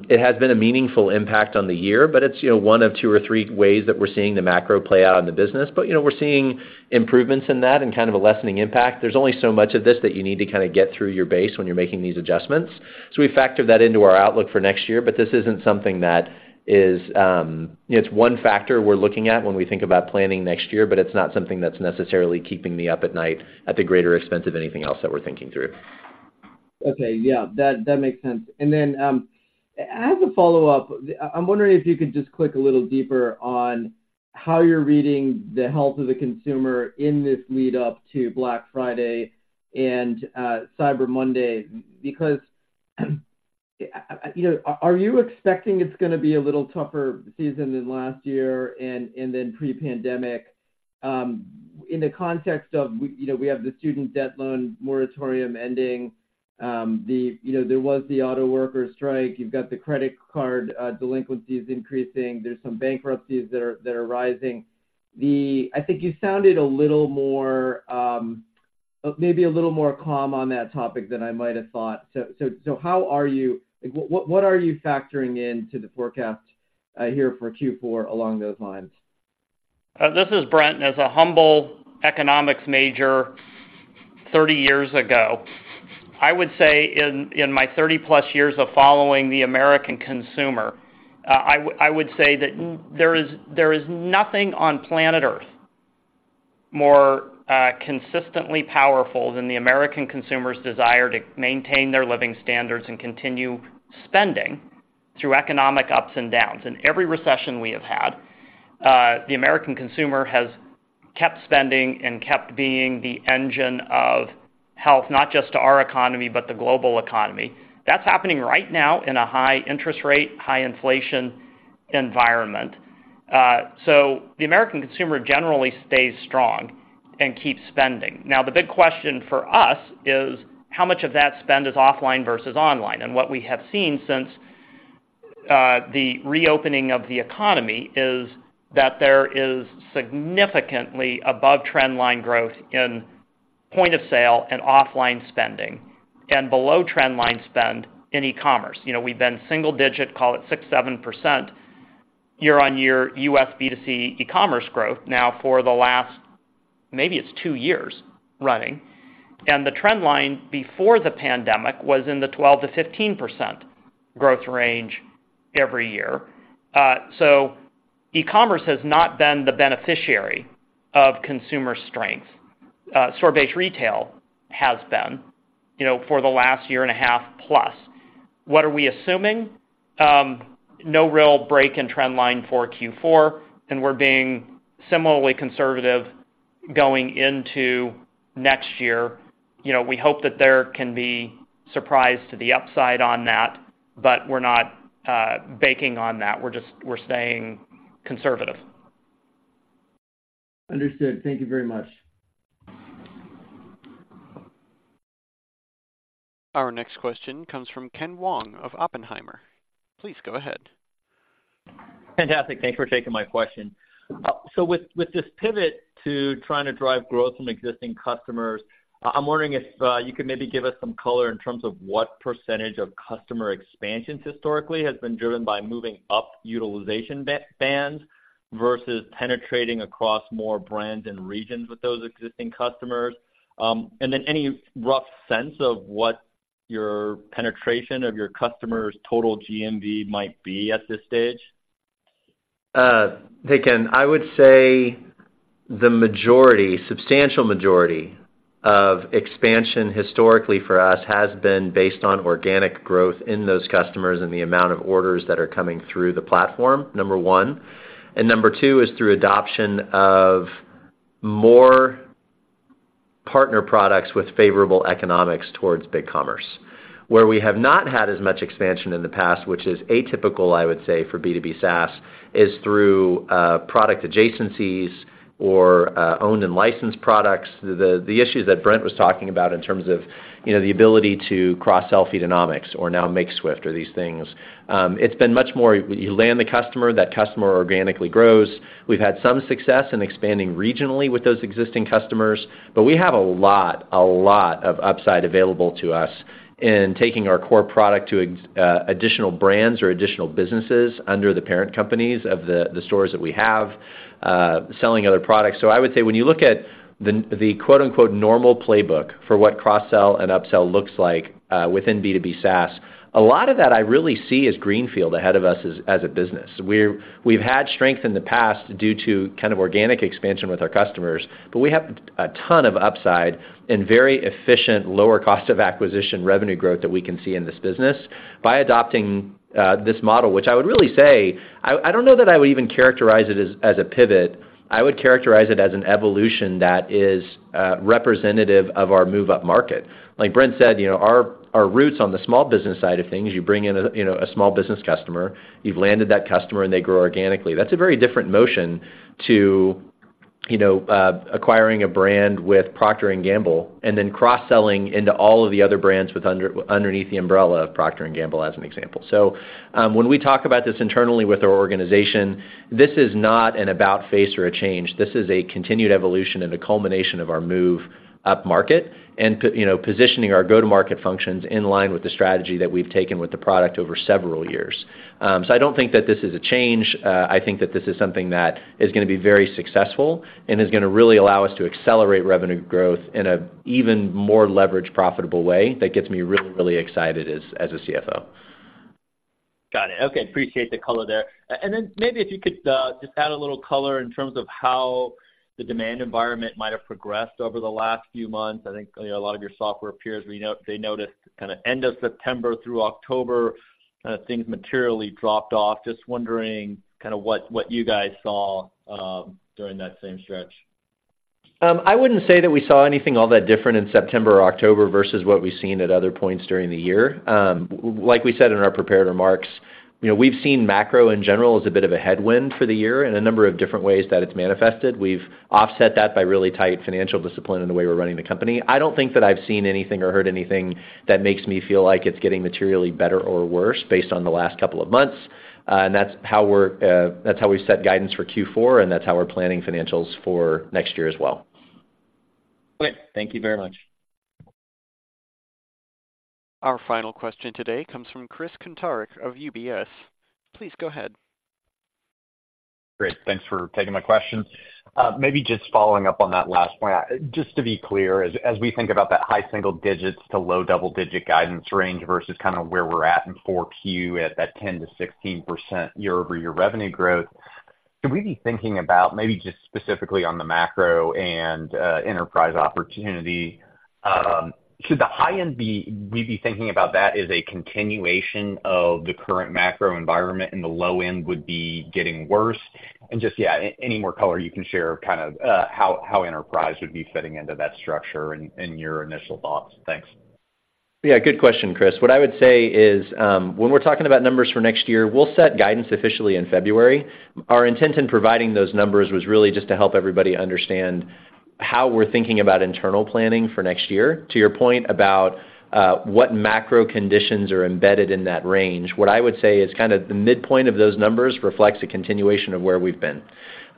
it has been a meaningful impact on the year, but it's, you know, one of two or three ways that we're seeing the macro play out in the business. But, you know, we're seeing improvements in that and kind of a lessening impact. There's only so much of this that you need to kinda get through your base when you're making these adjustments. So we factor that into our outlook for next year, but this isn't something that is. It's one factor we're looking at when we think about planning next year, but it's not something that's necessarily keeping me up at night at the greater expense of anything else that we're thinking through. Okay. Yeah, that, that makes sense. And then, as a follow-up, I'm wondering if you could just click a little deeper on how you're reading the health of the consumer in this lead-up to Black Friday and, Cyber Monday. Because, you know, are you expecting it's gonna be a little tougher season than last year and, then pre-pandemic? In the context of, you know, we have the student debt loan moratorium ending, you know, there was the auto workers strike, you've got the credit card delinquencies increasing, there's some bankruptcies that are rising. I think you sounded a little more, maybe a little more calm on that topic than I might have thought. So, how are you-- Like, what are you factoring in to the forecast, here for Q4 along those lines? This is Brent. As a humble economics major 30 years ago, I would say in my 30+ years of following the American consumer, I would say that there is nothing on planet Earth more consistently powerful than the American consumer's desire to maintain their living standards and continue spending through economic ups and downs. In every recession we have had, the American consumer has kept spending and kept being the engine of health, not just to our economy, but the global economy. That's happening right now in a high interest rate, high inflation environment. So the American consumer generally stays strong and keeps spending. Now, the big question for us is: How much of that spend is offline versus online? What we have seen since the reopening of the economy is that there is significantly above trend line growth in point of sale and offline spending, and below trend line spend in e-commerce. You know, we've been single digit, call it 6, 7% year-on-year US B2C e-commerce growth now for the last, maybe it's two years running. And the trend line before the pandemic was in the 12%-15% growth range every year. So e-commerce has not been the beneficiary of consumer strength. Store-based retail has been, you know, for the last year and a half plus. What are we assuming? No real break in trend line for Q4, and we're being similarly conservative going into next year. You know, we hope that there can be surprise to the upside on that, but we're not baking on that. We're just staying conservative. Understood. Thank you very much. Our next question comes from Ken Wong of Oppenheimer. Please go ahead. Fantastic. Thank you for taking my question. So with, with this pivot to trying to drive growth from existing customers, I'm wondering if you could maybe give us some color in terms of what percentage of customer expansions historically has been driven by moving up utilization bands versus penetrating across more brands and regions with those existing customers. And then any rough sense of what your penetration of your customers' total GMV might be at this stage? Hey, Ken. I would say the majority, substantial majority of expansion historically for us, has been based on organic growth in those customers and the amount of orders that are coming through the platform, number one. And number two is through adoption of more partner products with favorable economics towards BigCommerce. Where we have not had as much expansion in the past, which is atypical, I would say, for B2B SaaS, is through product adjacencies or owned and licensed products. The issues that Brent was talking about in terms of, you know, the ability to cross sell Feedonomics or now Makeswift or these things. It's been much more, you land the customer, that customer organically grows. We've had some success in expanding regionally with those existing customers, but we have a lot, a lot of upside available to us in taking our core product to additional brands or additional businesses under the parent companies of the, the stores that we have, selling other products. So I would say when you look at the, the quote-unquote, "normal playbook" for what cross-sell and upsell looks like, within B2B SaaS, a lot of that I really see as greenfield ahead of us as, as a business. We've had strength in the past due to kind of organic expansion with our customers, but we have a ton of upside and very efficient, lower cost of acquisition revenue growth that we can see in this business by adopting this model, which I would really say, I don't know that I would even characterize it as a pivot. I would characterize it as an evolution that is representative of our move-up market. Like Brent said, you know, our roots on the small business side of things, you bring in you know, a small business customer, you've landed that customer, and they grow organically. That's a very different motion to acquiring a brand with Procter & Gamble and then cross-selling into all of the other brands with underneath the umbrella of Procter & Gamble, as an example. So, when we talk about this internally with our organization, this is not an about-face or a change. This is a continued evolution and a culmination of our move up-market and, you know, positioning our go-to-market functions in line with the strategy that we've taken with the product over several years. So I don't think that this is a change. I think that this is something that is gonna be very successful and is gonna really allow us to accelerate revenue growth in a even more leveraged, profitable way. That gets me really, really excited as a CFO. Got it. Okay, appreciate the color there. And then maybe if you could just add a little color in terms of how the demand environment might have progressed over the last few months. I think, you know, a lot of your software peers, they noticed kinda end of September through October, things materially dropped off. Just wondering kinda what you guys saw during that same stretch. I wouldn't say that we saw anything all that different in September or October versus what we've seen at other points during the year. Like we said in our prepared remarks, you know, we've seen macro, in general, as a bit of a headwind for the year in a number of different ways that it's manifested. We've offset that by really tight financial discipline in the way we're running the company. I don't think that I've seen anything or heard anything that makes me feel like it's getting materially better or worse based on the last couple of months. And that's how we set guidance for Q4, and that's how we're planning financials for next year as well. Great. Thank you very much. Our final question today comes from Chris Kuntarich of UBS. Please go ahead. Great. Thanks for taking my questions. Maybe just following up on that last point, just to be clear, as we think about that high single digits to low double-digit guidance range versus kinda where we're at in 4Q at that 10%-16% year-over-year revenue growth, should we be thinking about maybe just specifically on the macro and enterprise opportunity, should we be thinking about the high end as a continuation of the current macro environment, and the low end would be getting worse? And just, yeah, any more color you can share, kind of, how enterprise would be fitting into that structure and your initial thoughts. Thanks. Yeah, good question, Chris. What I would say is, when we're talking about numbers for next year, we'll set guidance officially in February. Our intent in providing those numbers was really just to help everybody understand how we're thinking about internal planning for next year. To your point about what macro conditions are embedded in that range, what I would say is kinda the midpoint of those numbers reflects a continuation of where we've been.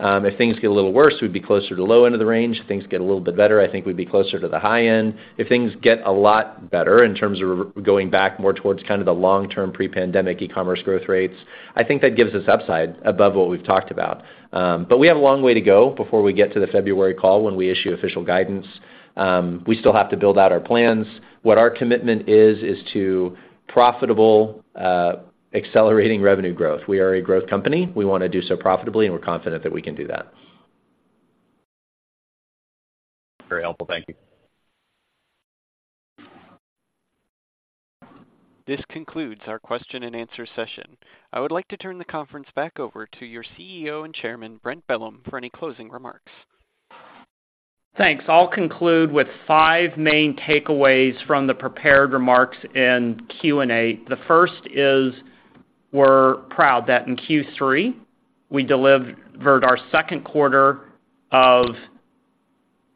If things get a little worse, we'd be closer to the low end of the range. If things get a little bit better, I think we'd be closer to the high end. If things get a lot better in terms of going back more towards kind of the long-term pre-pandemic e-commerce growth rates, I think that gives us upside above what we've talked about. We have a long way to go before we get to the February call when we issue official guidance. We still have to build out our plans. What our commitment is, is to profitable, accelerating revenue growth. We are a growth company. We wanna do so profitably, and we're confident that we can do that. Very helpful. Thank you. This concludes our question and answer session. I would like to turn the conference back over to your CEO and Chairman, Brent Bellm, for any closing remarks. Thanks. I'll conclude with 5 main takeaways from the prepared remarks in Q&A. The first is, we're proud that in Q3, we delivered our second quarter of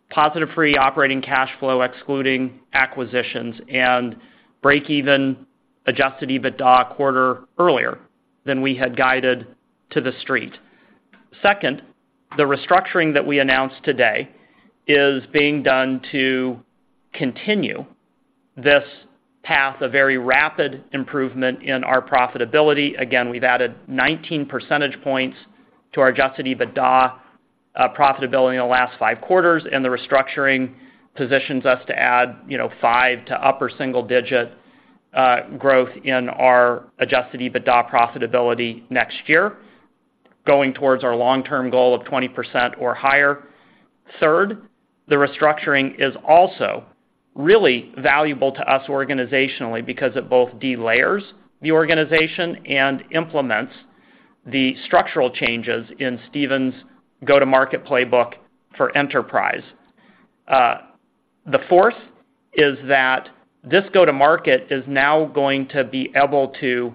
positive free operating cash flow, excluding acquisitions, and break-even adjusted EBITDA quarter earlier than we had guided to the street. Second, the restructuring that we announced today is being done to continue this path of very rapid improvement in our profitability. Again, we've added 19 percentage points to our adjusted EBITDA profitability in the last 5 quarters, and the restructuring positions us to add, you know, 5 to upper single digit growth in our adjusted EBITDA profitability next year, going towards our long-term goal of 20% or higher. Third, the restructuring is also really valuable to us organizationally because it both delayers the organization and implements the structural changes in Steven's go-to-market playbook for enterprise. The fourth is that this go-to-market is now going to be able to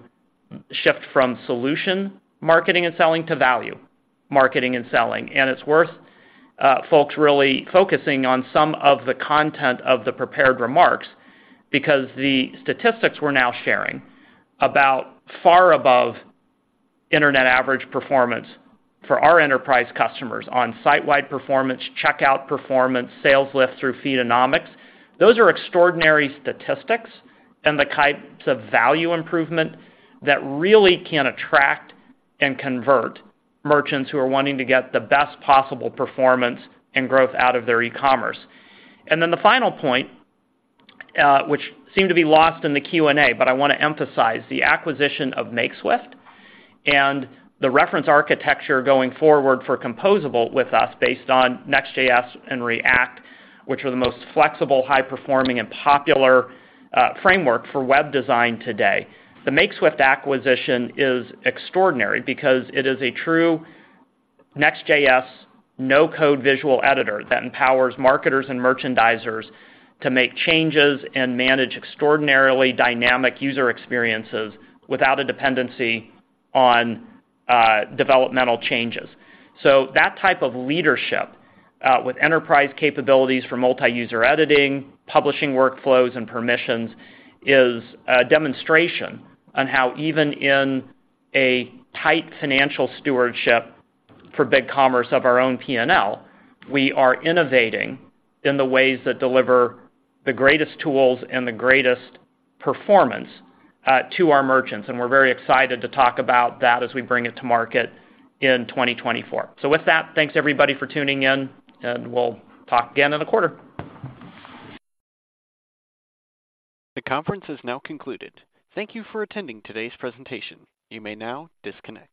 shift from solution marketing and selling to value marketing and selling. And it's worth, folks really focusing on some of the content of the prepared remarks, because the statistics we're now sharing about far above internet average performance for our enterprise customers on site-wide performance, checkout performance, sales lift through Feedonomics, those are extraordinary statistics and the types of value improvement that really can attract and convert merchants who are wanting to get the best possible performance and growth out of their e-commerce. And then the final point, which seemed to be lost in the Q&A, but I want to emphasize, the acquisition of Makeswift and the reference architecture going forward for composable with us based on Next.js and React, which are the most flexible, high-performing, and popular, framework for web design today. The Makeswift acquisition is extraordinary because it is a true Next.js, no-code visual editor that empowers marketers and merchandisers to make changes and manage extraordinarily dynamic user experiences without a dependency on developmental changes. So that type of leadership with enterprise capabilities for multi-user editing, publishing workflows, and permissions is a demonstration on how, even in a tight financial stewardship for BigCommerce of our own P&L, we are innovating in the ways that deliver the greatest tools and the greatest performance to our merchants, and we're very excited to talk about that as we bring it to market in 2024. So with that, thanks, everybody, for tuning in, and we'll talk again in the quarter. The conference is now concluded. Thank you for attending today's presentation. You may now disconnect.